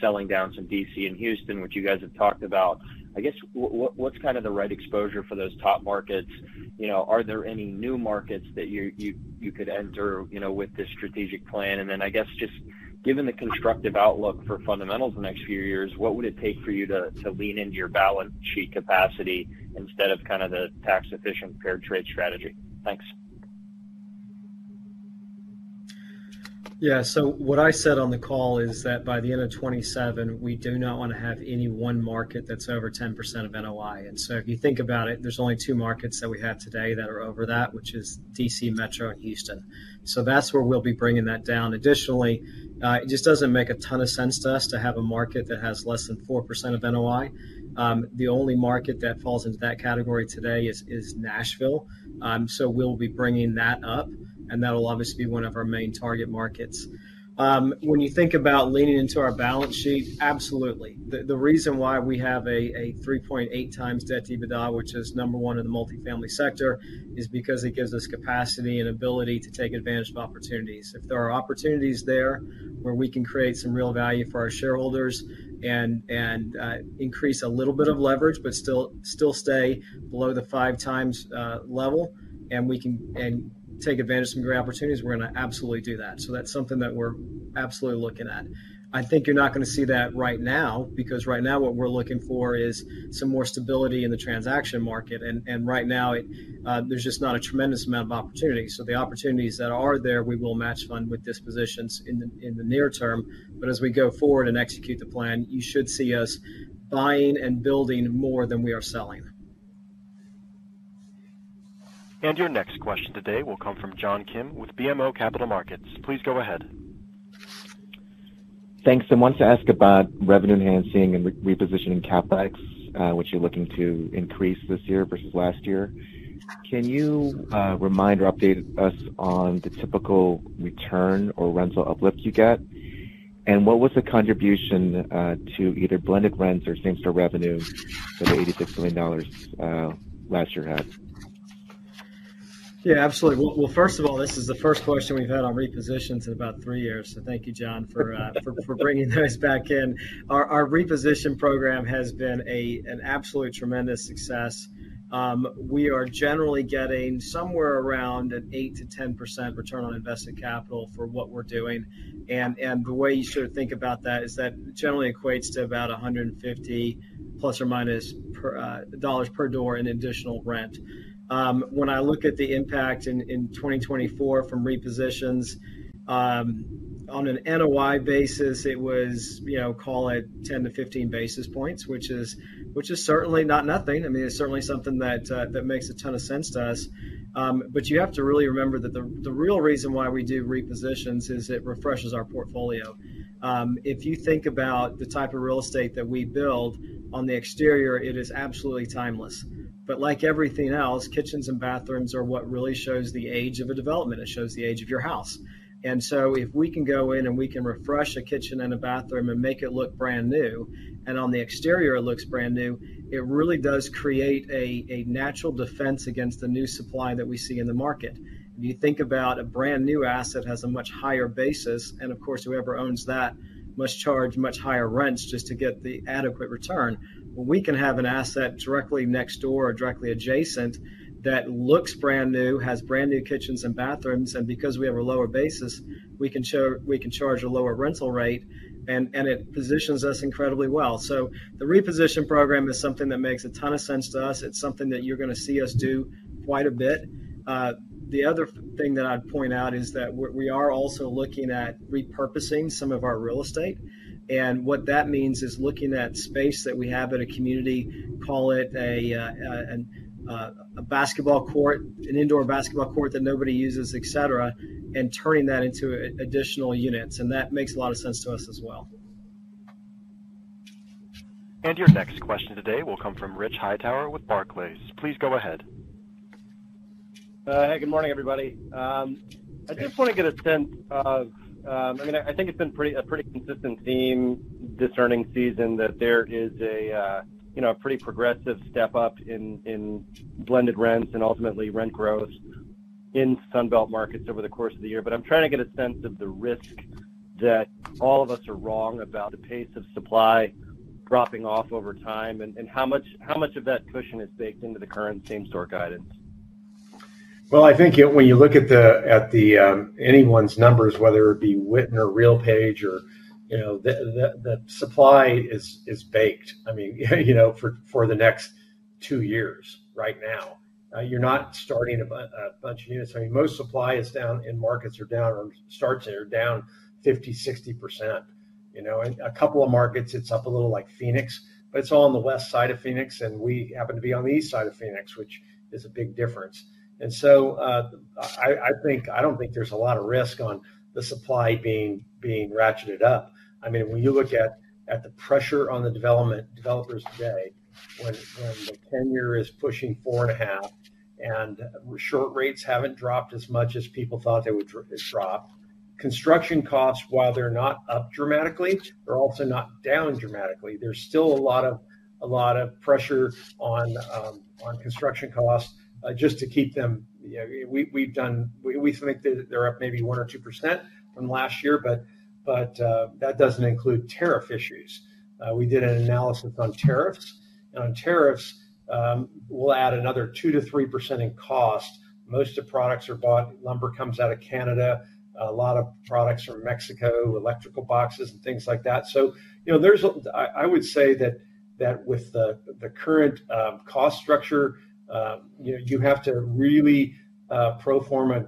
selling down some DC and Houston, which you guys have talked about. I guess what's kind of the right exposure for those top markets? Are there any new markets that you could enter with this strategic plan, and then I guess just given the constructive outlook for fundamentals in the next few years, what would it take for you to lean into your balance sheet capacity instead of kind of the tax-efficient fair trade strategy? Thanks. Yeah. So what I said on the call is that by the end of 2027, we do not want to have any one market that's over 10% of NOI. And so if you think about it, there's only two markets that we have today that are over that, which is D.C. Metro and Houston. So that's where we'll be bringing that down. Additionally, it just doesn't make a ton of sense to us to have a market that has less than 4% of NOI. The only market that falls into that category today is Nashville. So we'll be bringing that up, and that'll obviously be one of our main target markets. When you think about leaning into our balance sheet, absolutely. The reason why we have a 3.8x debt to EBITDA, which is number one in the multifamily sector, is because it gives us capacity and ability to take advantage of opportunities. If there are opportunities there where we can create some real value for our shareholders and increase a little bit of leverage, but still stay below the five times level and take advantage of some great opportunities, we're going to absolutely do that. So that's something that we're absolutely looking at. I think you're not going to see that right now because right now what we're looking for is some more stability in the transaction market. And right now, there's just not a tremendous amount of opportunity. So the opportunities that are there, we will match fund with dispositions in the near term. But as we go forward and execute the plan, you should see us buying and building more than we are selling. Your next question today will come from John Kim with BMO Capital Markets. Please go ahead. Thanks. I want to ask about revenue enhancing and repositioning CapEx, which you're looking to increase this year versus last year. Can you remind or update us on the typical return or rental uplift you get? And what was the contribution to either blended rents or same-store revenue for the $86 million last year had? Yeah, absolutely. Well, first of all, this is the first question we've had on repositions in about three years. So thank you, John, for bringing those back in. Our reposition program has been an absolutely tremendous success. We are generally getting somewhere around an 8%-10% return on invested capital for what we're doing. And the way you should think about that is that generally equates to about $150 plus or minus dollars per door and additional rent. When I look at the impact in 2024 from repositions, on an NOI basis, it was, call it 10-15 basis points, which is certainly not nothing. I mean, it's certainly something that makes a ton of sense to us. But you have to really remember that the real reason why we do repositions is it refreshes our portfolio. If you think about the type of real estate that we build on the exterior, it is absolutely timeless. But like everything else, kitchens and bathrooms are what really shows the age of a development. It shows the age of your house. And so if we can go in and we can refresh a kitchen and a bathroom and make it look brand new, and on the exterior, it looks brand new, it really does create a natural defense against the new supply that we see in the market. If you think about a brand new asset that has a much higher basis, and of course, whoever owns that must charge much higher rents just to get the adequate return. Well, we can have an asset directly next door or directly adjacent that looks brand new, has brand new kitchens and bathrooms. And because we have a lower basis, we can charge a lower rental rate, and it positions us incredibly well. So the reposition program is something that makes a ton of sense to us. It's something that you're going to see us do quite a bit. The other thing that I'd point out is that we are also looking at repurposing some of our real estate. And what that means is looking at space that we have at a community, call it a basketball court, an indoor basketball court that nobody uses, etc., and turning that into additional units. And that makes a lot of sense to us as well. Your next question today will come from Rich Hightower with Barclays. Please go ahead. Hey, good morning, everybody. I just want to get a sense of, I mean, I think it's been a pretty consistent theme this earnings season that there is a pretty progressive step up in blended rents and ultimately rent growth in Sunbelt markets over the course of the year. But I'm trying to get a sense of the risk that all of us are wrong about the pace of supply dropping off over time and how much of that cushion is baked into the current same-store guidance. I think when you look at anyone's numbers, whether it be Witten or RealPage or the supply is baked, I mean, for the next two years right now. You're not starting a bunch of units. I mean, most supply is down in markets or down or starts are down 50%-60%. A couple of markets, it's up a little like Phoenix, but it's all on the west side of Phoenix, and we happen to be on the east side of Phoenix, which is a big difference. And so I don't think there's a lot of risk on the supply being ratcheted up. I mean, when you look at the pressure on the developers today, when the 10-year is pushing four and a half and short rates haven't dropped as much as people thought they would drop, construction costs, while they're not up dramatically, they're also not down dramatically. There's still a lot of pressure on construction costs just to keep them. We think they're up maybe 1 or 2% from last year, but that doesn't include tariff issues. We did an analysis on tariffs, and on tariffs, we'll add another 2%-3% in cost. Most of the products are bought. Lumber comes out of Canada. A lot of products are Mexico, electrical boxes, and things like that, so I would say that with the current cost structure, you have to really pro forma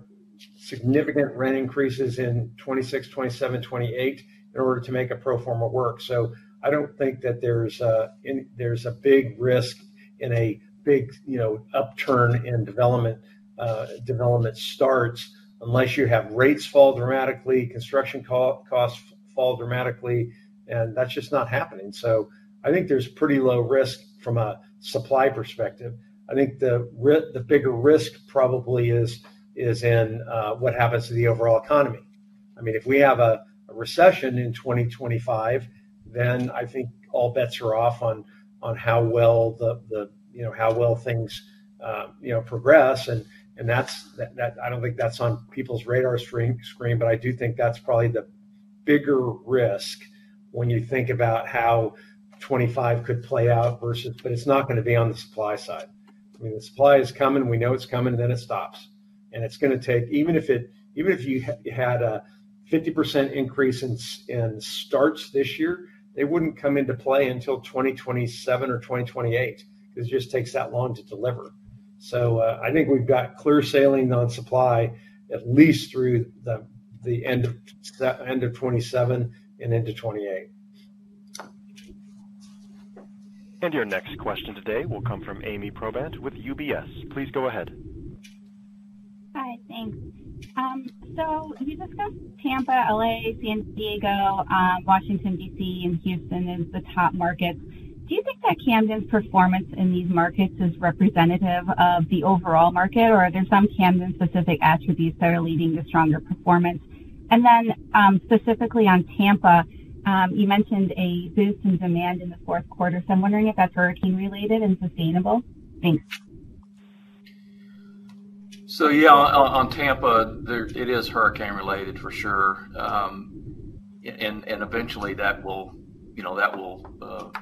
significant rent increases in 2026, 2027, 2028 in order to make a pro forma work, so I don't think that there's a big risk in a big upturn in development starts unless you have rates fall dramatically, construction costs fall dramatically, and that's just not happening, so I think there's pretty low risk from a supply perspective. I think the bigger risk probably is in what happens to the overall economy. I mean, if we have a recession in 2025, then I think all bets are off on how well things progress. And I don't think that's on people's radar screen, but I do think that's probably the bigger risk when you think about how 2025 could play out versus, but it's not going to be on the supply side. I mean, the supply is coming. We know it's coming, and then it stops. And it's going to take, even if you had a 50% increase in starts this year, they wouldn't come into play until 2027 or 2028 because it just takes that long to deliver. So I think we've got clear sailing on supply at least through the end of 2027 and into 2028. Your next question today will come from Amy Probandt with UBS. Please go ahead. Hi. Thanks. So you discussed Tampa, LA, San Diego, Washington, D.C., and Houston as the top markets. Do you think that Camden's performance in these markets is representative of the overall market, or are there some Camden-specific attributes that are leading to stronger performance? And then specifically on Tampa, you mentioned a boost in demand in the fourth quarter. So I'm wondering if that's hurricane-related and sustainable. Thanks. So yeah, on Tampa, it is hurricane-related for sure. And eventually, that will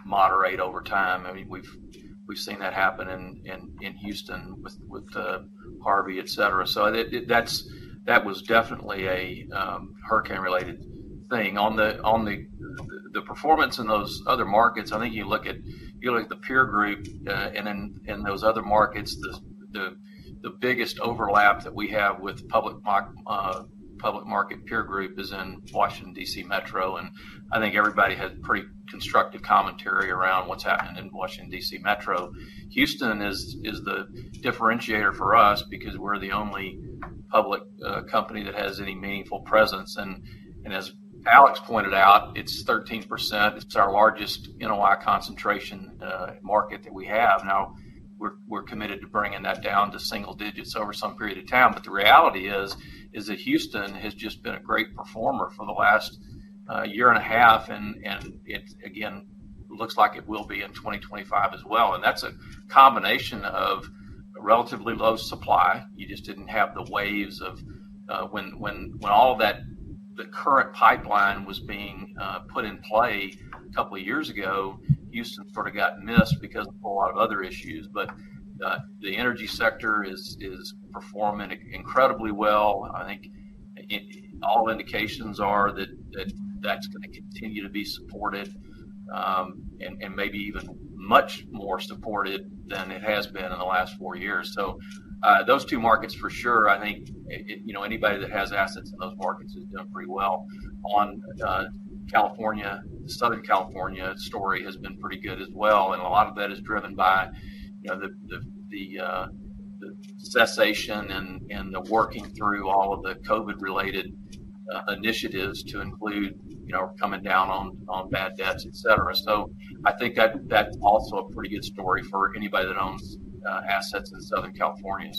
moderate over time. I mean, we've seen that happen in Houston with Harvey, etc. So that was definitely a hurricane-related thing. On the performance in those other markets, I think you look at the peer group, and in those other markets, the biggest overlap that we have with public market peer group is in Washington, D.C. Metro. And I think everybody has pretty constructive commentary around what's happening in Washington, D.C. Metro. Houston is the differentiator for us because we're the only public company that has any meaningful presence. And as Alex pointed out, it's 13%. It's our largest NOI concentration market that we have. Now, we're committed to bringing that down to single digits over some period of time. But the reality is that Houston has just been a great performer for the last year and a half. And it, again, looks like it will be in 2025 as well. And that's a combination of relatively low supply. You just didn't have the waves of when all of that, the current pipeline was being put in play a couple of years ago. Houston sort of got missed because of a whole lot of other issues. But the energy sector is performing incredibly well. I think all indications are that that's going to continue to be supported and maybe even much more supported than it has been in the last four years. So those two markets for sure, I think anybody that has assets in those markets has done pretty well. On California, the Southern California story has been pretty good as well. A lot of that is driven by the cessation and the working through all of the COVID-related initiatives to include coming down on bad debts, etc. I think that's also a pretty good story for anybody that owns assets in Southern California.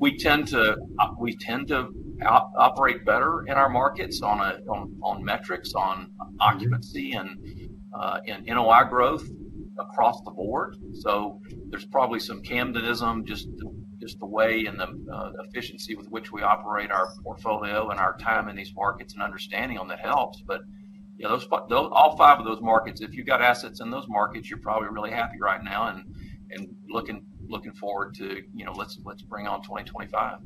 We tend to operate better in our markets on metrics, on occupancy, and NOI growth across the board. There's probably some Camdenism, just the way and the efficiency with which we operate our portfolio and our time in these markets and our understanding of them helps. All five of those markets, if you've got assets in those markets, you're probably really happy right now and looking forward to. Let's bring on 2025.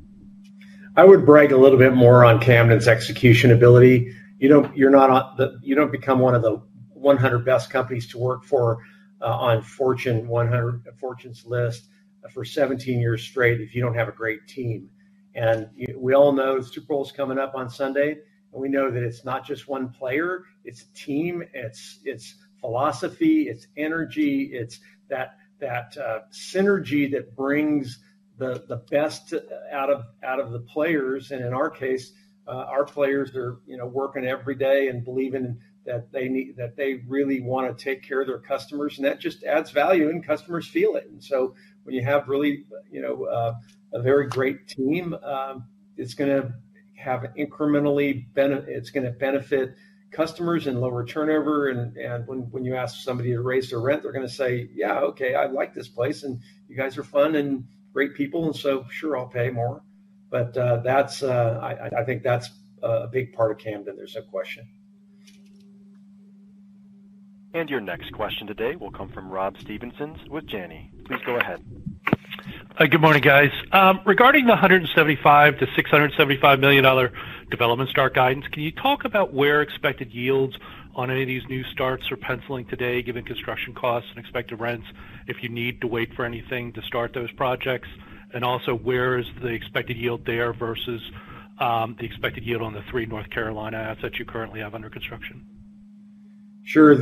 I would brag a little bit more on Camden's execution ability. You don't become one of the 100 Best Companies to Work For on Fortune 100, Fortune's list for 17 years straight if you don't have a great team. And we all know Super Bowl is coming up on Sunday, and we know that it's not just one player. It's a team. It's philosophy. It's energy. It's that synergy that brings the best out of the players. And in our case, our players are working every day and believing that they really want to take care of their customers. And that just adds value, and customers feel it. And so when you have really a very great team, it's going to have incremental benefit. It's going to benefit customers and lower turnover. And when you ask somebody to raise their rent, they're going to say, "Yeah, okay, I like this place, and you guys are fun and great people, and so sure, I'll pay more." But I think that's a big part of Camden. There's no question. Your next question today will come from Rob Stevenson with Janney. Please go ahead. Good morning, guys. Regarding the $175 million-$675 million development start guidance, can you talk about where expected yields on any of these new starts are penciling today, given construction costs and expected rents, if you need to wait for anything to start those projects? Also, where is the expected yield there versus the expected yield on the three North Carolina assets that you currently have under construction? Sure.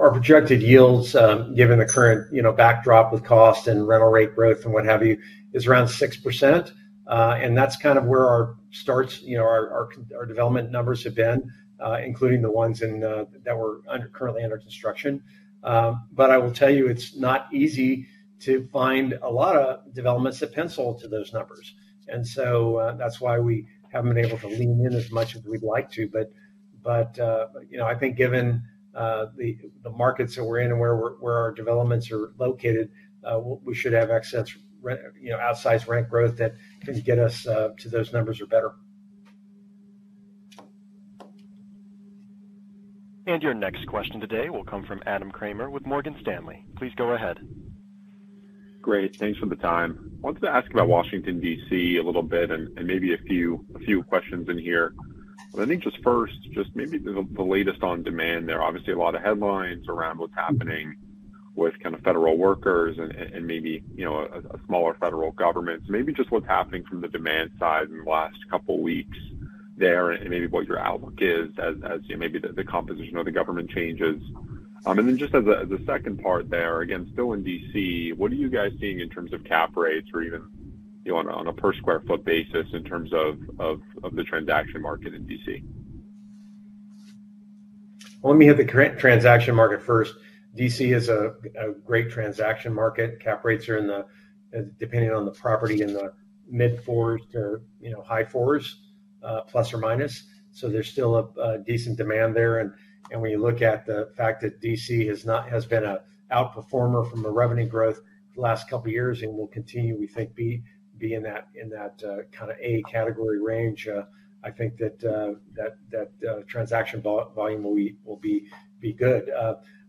Our projected yields, given the current backdrop with cost and rental rate growth and what have you, is around 6%. And that's kind of where our starts, our development numbers have been, including the ones that were currently under construction. But I will tell you, it's not easy to find a lot of developments that pencil to those numbers. And so that's why we haven't been able to lean in as much as we'd like to. But I think given the markets that we're in and where our developments are located, we should have excess outsized rent growth that can get us to those numbers or better. Your next question today will come from Adam Kramer with Morgan Stanley. Please go ahead. Great. Thanks for the time. I wanted to ask about Washington, D.C. a little bit and maybe a few questions in here. But I think just first, just maybe the latest on demand there. Obviously, a lot of headlines around what's happening with kind of federal workers and maybe a smaller federal government. So maybe just what's happening from the demand side in the last couple of weeks there and maybe what your outlook is as maybe the composition of the government changes. And then just as a second part there, again, still in D.C., what are you guys seeing in terms of cap rates or even on a per sq ft basis in terms of the transaction market in D.C.? Let me hit the transaction market first. DC is a great transaction market. Cap rates are in the, depending on the property, in the mid-fours to high-fours, plus or minus. So there's still a decent demand there. And when you look at the fact that DC has been an outperformer from the revenue growth the last couple of years and will continue, we think, be in that kind of A category range, I think that transaction volume will be good.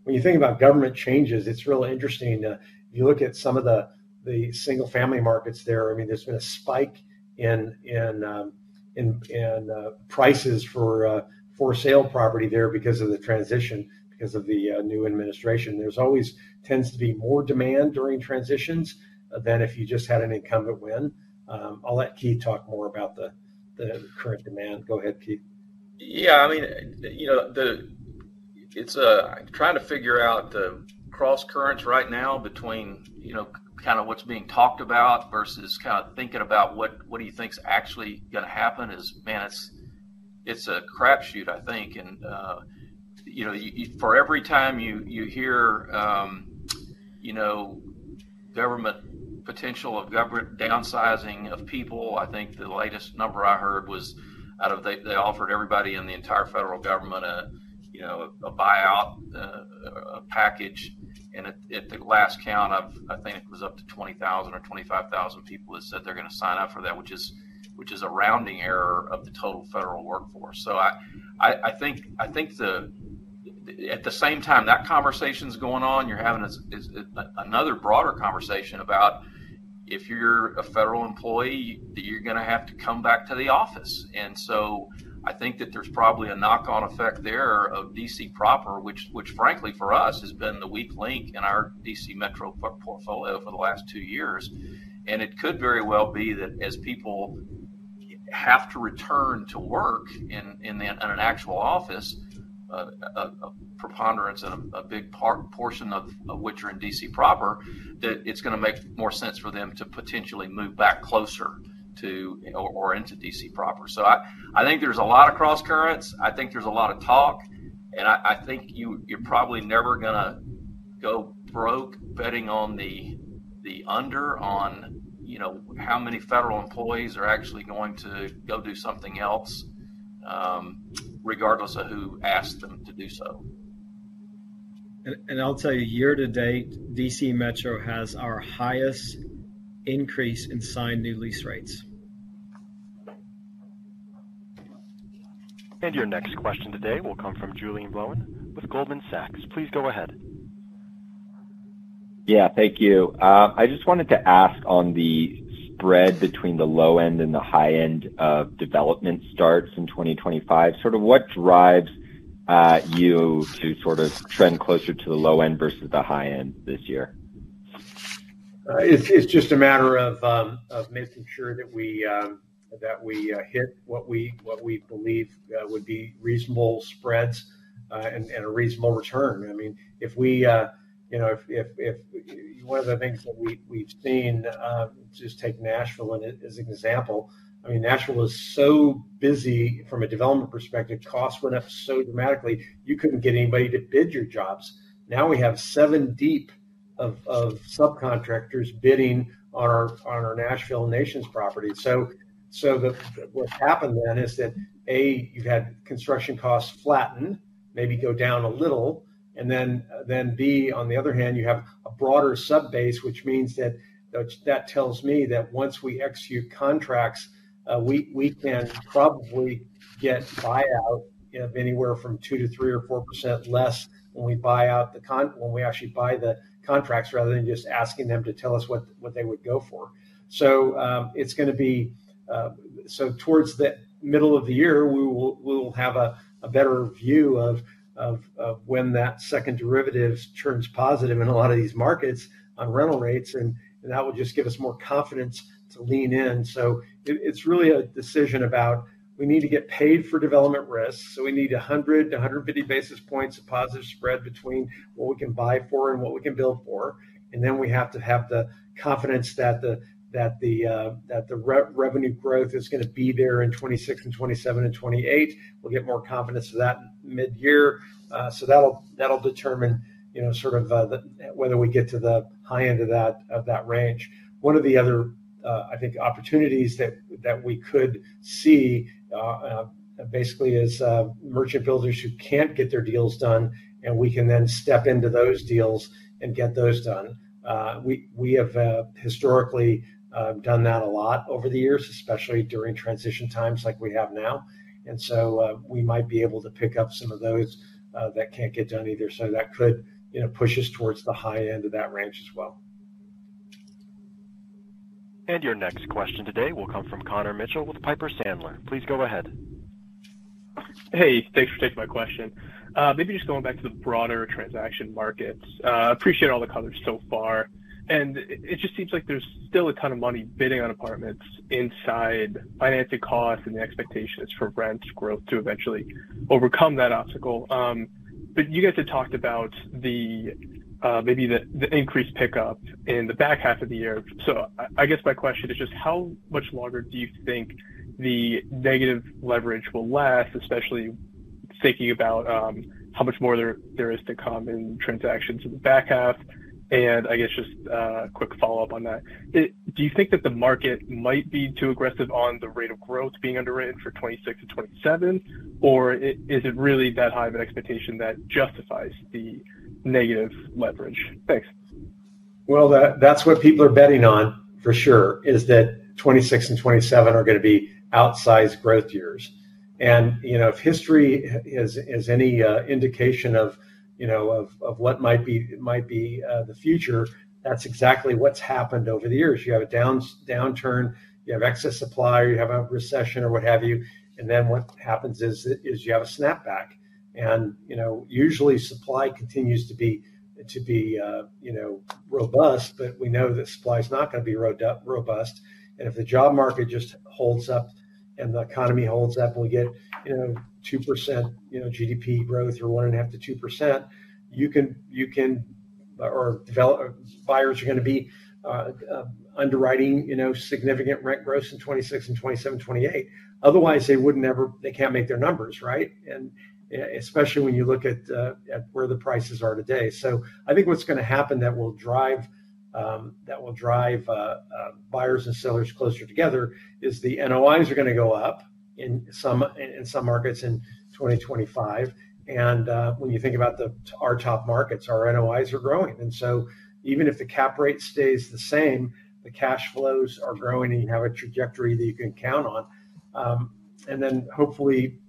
When you think about government changes, it's really interesting. If you look at some of the single-family markets there, I mean, there's been a spike in prices for sale property there because of the transition, because of the new administration. There always tends to be more demand during transitions than if you just had an incumbent win. I'll let Keith talk more about the current demand. Go ahead, Keith. Yeah. I mean, it's trying to figure out the cross currents right now between kind of what's being talked about versus kind of thinking about what he thinks actually going to happen is, man, it's a crapshoot, I think, and for every time you hear government potential of government downsizing of people, I think the latest number I heard was that they offered everybody in the entire federal government a buyout package. And at the last count, I think it was up to 20,000 or 25,000 people that said they're going to sign up for that, which is a rounding error of the total federal workforce. So I think at the same time that conversation's going on, you're having another broader conversation about if you're a federal employee, that you're going to have to come back to the office. And so I think that there's probably a knock-on effect there of DC proper, which, frankly, for us, has been the weak link in our DC Metro portfolio for the last two years. And it could very well be that as people have to return to work in an actual office, a preponderance and a big portion of which are in DC proper, that it's going to make more sense for them to potentially move back closer to or into DC proper. So I think there's a lot of cross currents. I think there's a lot of talk. And I think you're probably never going to go broke betting on the under on how many federal employees are actually going to go do something else regardless of who asked them to do so. I'll tell you, year to date, DC Metro has our highest increase in signed new lease rates. Your next question today will come from Julien Blouin with Goldman Sachs. Please go ahead. Yeah. Thank you. I just wanted to ask on the spread between the low end and the high end of development starts in 2025, sort of what drives you to sort of trend closer to the low end versus the high end this year? It's just a matter of making sure that we hit what we believe would be reasonable spreads and a reasonable return. I mean, if one of the things that we've seen, just take Nashville as an example. I mean, Nashville is so busy from a development perspective. Costs went up so dramatically. You couldn't get anybody to bid your jobs. Now we have seven deep of subcontractors bidding on our Camden Nations property. So what happened then is that, A, you've had construction costs flatten, maybe go down a little. And then B, on the other hand, you have a broader sub-base, which means that tells me that once we execute contracts, we can probably get buyout of anywhere from 2%-3% or 4% less when we buy out the contracts rather than just asking them to tell us what they would go for. It's going to be towards the middle of the year; we will have a better view of when that second derivative turns positive in a lot of these markets on rental rates. That will just give us more confidence to lean in. It's really a decision about we need to get paid for development risk. We need 100 basis points-150 basis points of positive spread between what we can buy for and what we can build for. And then we have to have the confidence that the revenue growth is going to be there in 2026 and 2027 and 2028. We'll get more confidence of that mid-year. So that'll determine sort of whether we get to the high end of that range. One of the other, I think, opportunities that we could see basically is merchant builders who can't get their deals done, and we can then step into those deals and get those done. We have historically done that a lot over the years, especially during transition times like we have now. And so we might be able to pick up some of those that can't get done either. So that could push us towards the high end of that range as well. And your next question today will come from Connor Mitchell with Piper Sandler. Please go ahead. Hey, thanks for taking my question. Maybe just going back to the broader transaction markets. I appreciate all the colors so far. And it just seems like there's still a ton of money bidding on apartments despite financing costs and the expectations for rent growth to eventually overcome that obstacle. But you guys had talked about maybe the increased pickup in the back half of the year. So I guess my question is just how much longer do you think the negative leverage will last, especially thinking about how much more there is to come in transactions in the back half? And I guess just a quick follow-up on that. Do you think that the market might be too aggressive on the rate of growth being underwritten for 2026 to 2027, or is it really that high of an expectation that justifies the negative leverage? Thanks. Well, that's what people are betting on for sure, is that 2026 and 2027 are going to be outsized growth years, and if history has any indication of what might be the future, that's exactly what's happened over the years. You have a downturn, you have excess supply, you have a recession or what have you, and then what happens is you have a snapback, and usually, supply continues to be robust, but we know that supply is not going to be robust. And if the job market just holds up and the economy holds up and we get 2% GDP growth or 1.5%-2%, you can or buyers are going to be underwriting significant rent growth in 2026 and 2027, 2028. Otherwise, they wouldn't ever, they can't make their numbers, right? And especially when you look at where the prices are today. So, I think what's going to happen that will drive buyers and sellers closer together is the NOIs are going to go up in some markets in 2025. And when you think about our top markets, our NOIs are growing. And so even if the cap rate stays the same, the cash flows are growing and you have a trajectory that you can count on. And then hopefully,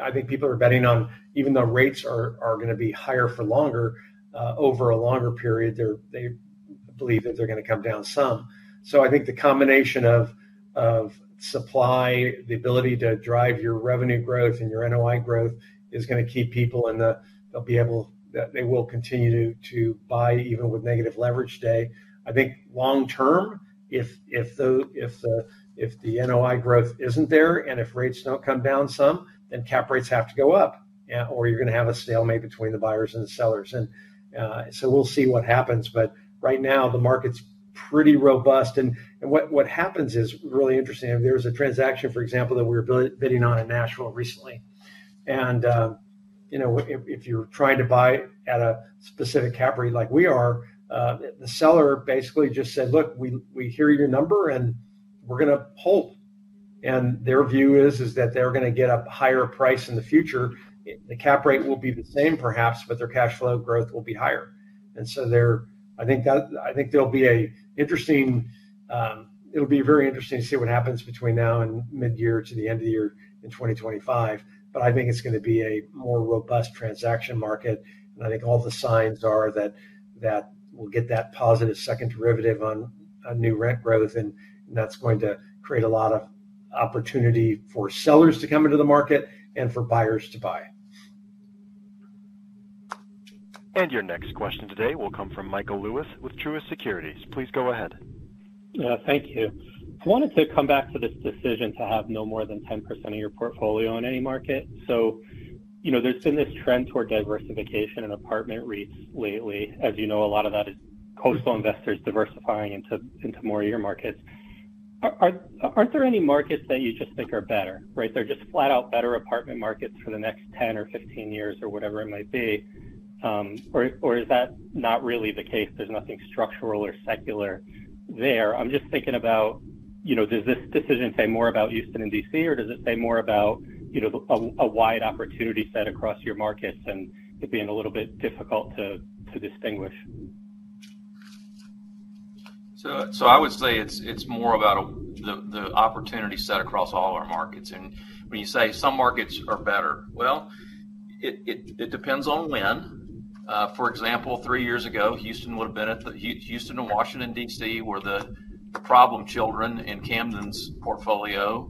I think people are betting on even though rates are going to be higher for longer, over a longer period, they believe that they're going to come down some. So, I think the combination of supply, the ability to drive your revenue growth and your NOI growth is going to keep people interested. They'll be able to continue to buy even with negative leverage today. I think long term, if the NOI growth isn't there and if rates don't come down some, then cap rates have to go up or you're going to have a stalemate between the buyers and the sellers. And so we'll see what happens. But right now, the market's pretty robust. And what happens is really interesting. There was a transaction, for example, that we were bidding on in Nashville recently. And if you're trying to buy at a specific cap rate like we are, the seller basically just said, "Look, we hear your number and we're going to hold." And their view is that they're going to get a higher price in the future. The cap rate will be the same, perhaps, but their cash flow growth will be higher. And so I think there'll be very interesting to see what happens between now and mid-year to the end of the year in 2025. But I think it's going to be a more robust transaction market. And I think all the signs are that we'll get that positive second derivative on new rent growth. And that's going to create a lot of opportunity for sellers to come into the market and for buyers to buy. Your next question today will come from Michael Lewis with Truist Securities. Please go ahead. Thank you. I wanted to come back to this decision to have no more than 10% of your portfolio in any market. So there's been this trend toward diversification in apartment REITs lately. As you know, a lot of that is coastal investors diversifying into more of your markets. Aren't there any markets that you just think are better, right? They're just flat out better apartment markets for the next 10 or 15 years or whatever it might be. Or is that not really the case? There's nothing structural or secular there. I'm just thinking about, does this decision say more about Houston and DC, or does it say more about a wide opportunity set across your markets and it being a little bit difficult to distinguish? So I would say it's more about the opportunity set across all our markets. And when you say some markets are better, well, it depends on when. For example, three years ago, Houston would have been at Houston and Washington, D.C., were the problem children in Camden's portfolio.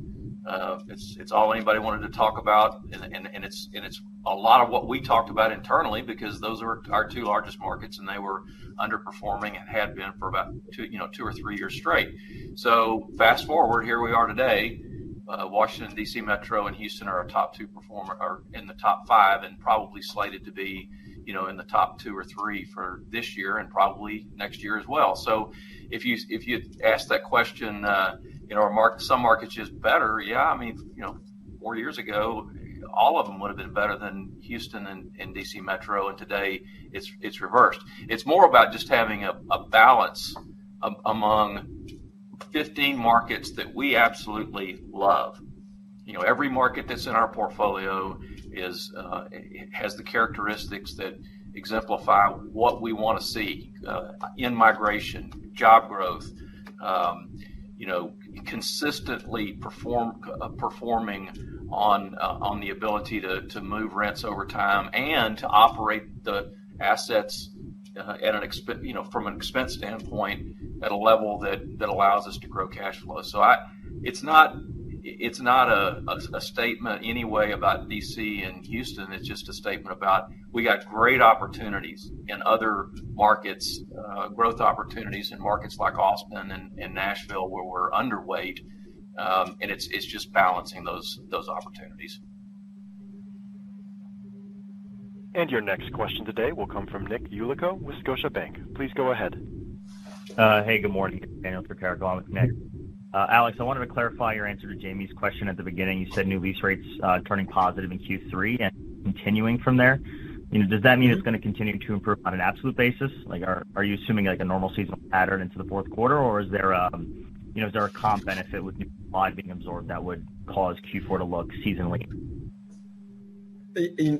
It's all anybody wanted to talk about. And it's a lot of what we talked about internally because those are our two largest markets, and they were underperforming and had been for about two or three years straight. So fast forward, here we are today. Washington, D.C. Metro and Houston are a top two performer or in the top five and probably slated to be in the top two or three for this year and probably next year as well. So if you ask that question, are some markets just better? Yeah. I mean, four years ago, all of them would have been better than Houston and D.C. Metro. And today, it's reversed. It's more about just having a balance among 15 markets that we absolutely love. Every market that's in our portfolio has the characteristics that exemplify what we want to see in migration, job growth, consistently performing on the ability to move rents over time and to operate the assets from an expense standpoint at a level that allows us to grow cash flow. So it's not a statement anyway about D.C. and Houston. It's just a statement about we got great opportunities in other markets, growth opportunities in markets like Austin and Nashville where we're underweight. And it's just balancing those opportunities. Your next question today will come from Nick Yulico with Scotiabank. Please go ahead. Hey, good morning. Alex, I wanted to clarify your answer to Jamie's question at the beginning. You said new lease rates turning positive in Q3 and continuing from there. Does that mean it's going to continue to improve on an absolute basis? Are you assuming a normal seasonal pattern into the fourth quarter, or is there a comp benefit with new supply being absorbed that would cause Q4 to look seasonally?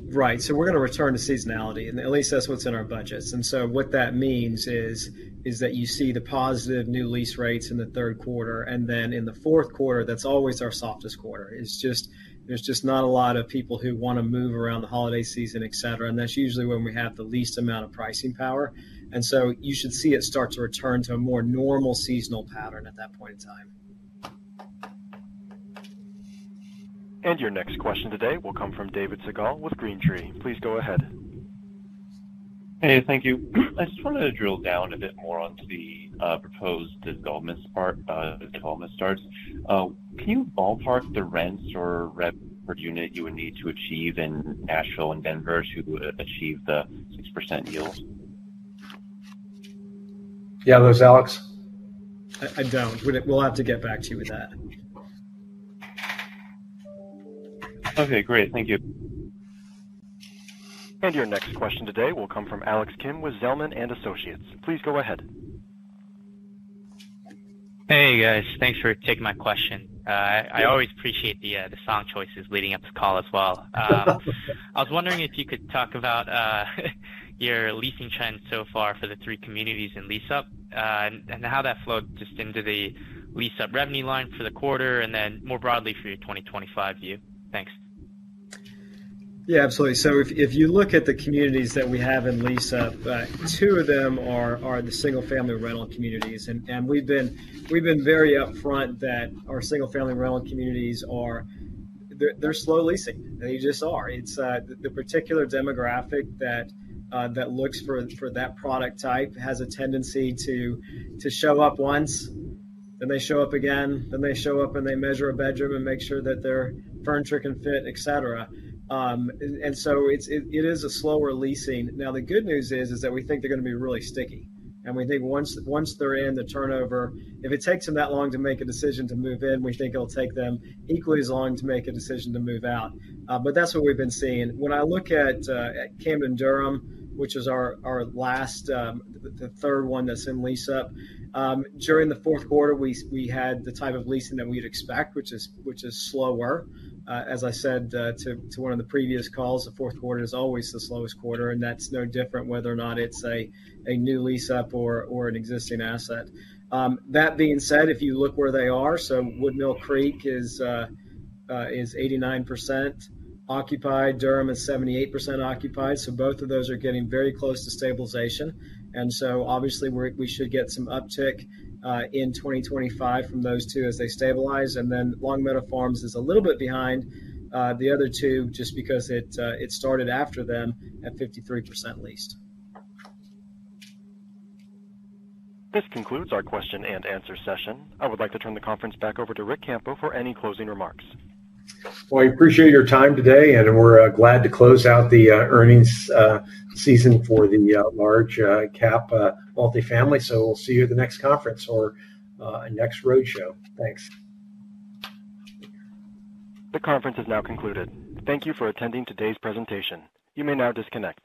Right, so we're going to return to seasonality, and at least that's what's in our budgets, and so what that means is that you see the positive new lease rates in the third quarter, and then in the fourth quarter, that's always our softest quarter. It's just there's not a lot of people who want to move around the holiday season, etc., and that's usually when we have the least amount of pricing power, and so you should see it start to return to a more normal seasonal pattern at that point in time. Your next question today will come from David Segall with Green Street. Please go ahead. Hey, thank you. I just wanted to drill down a bit more on the proposed development starts. Can you ballpark the rents or revenue per unit you would need to achieve in Nashville and Denver to achieve the 6% yield? Yeah, that was Alex. I don't. We'll have to get back to you with that. Okay, great. Thank you. Your next question today will come from Alex Kalmus with Zelman & Associates. Please go ahead. Hey, guys. Thanks for taking my question. I always appreciate the song choices leading up to call as well. I was wondering if you could talk about your leasing trends so far for the three communities in lease-up and how that flowed just into the lease-up revenue line for the quarter and then more broadly for your 2025 view? Thanks. Yeah, absolutely. So if you look at the communities that we have in lease-up, two of them are the single-family rental communities. And we've been very upfront that our single-family rental communities, they're slow leasing. They just are. It's the particular demographic that looks for that product type has a tendency to show up once, then they show up again, then they show up and they measure a bedroom and make sure that their furniture can fit, etc. And so it is a slower leasing. Now, the good news is that we think they're going to be really sticky. And we think once they're in, the turnover, if it takes them that long to make a decision to move in, we think it'll take them equally as long to make a decision to move out. But that's what we've been seeing. When I look at Camden Durham, which is our last, the third one that's in lease-up, during the fourth quarter, we had the type of leasing that we'd expect, which is slower. As I said to one of the previous calls, the fourth quarter is always the slowest quarter. And that's no different whether or not it's a new lease-up or an existing asset. That being said, if you look where they are, so Woodmill Creek is 89% occupied. Durham is 78% occupied. So both of those are getting very close to stabilization. And so obviously, we should get some uptick in 2025 from those two as they stabilize. And then Long Meadow Farms is a little bit behind the other two just because it started after them at 53% leased. This concludes our question and answer session. I would like to turn the conference back over to Rick Campo for any closing remarks. I appreciate your time today. We're glad to close out the earnings season for the large cap multifamily. We'll see you at the next conference or next roadshow. Thanks. The conference is now concluded. Thank you for attending today's presentation. You may now disconnect.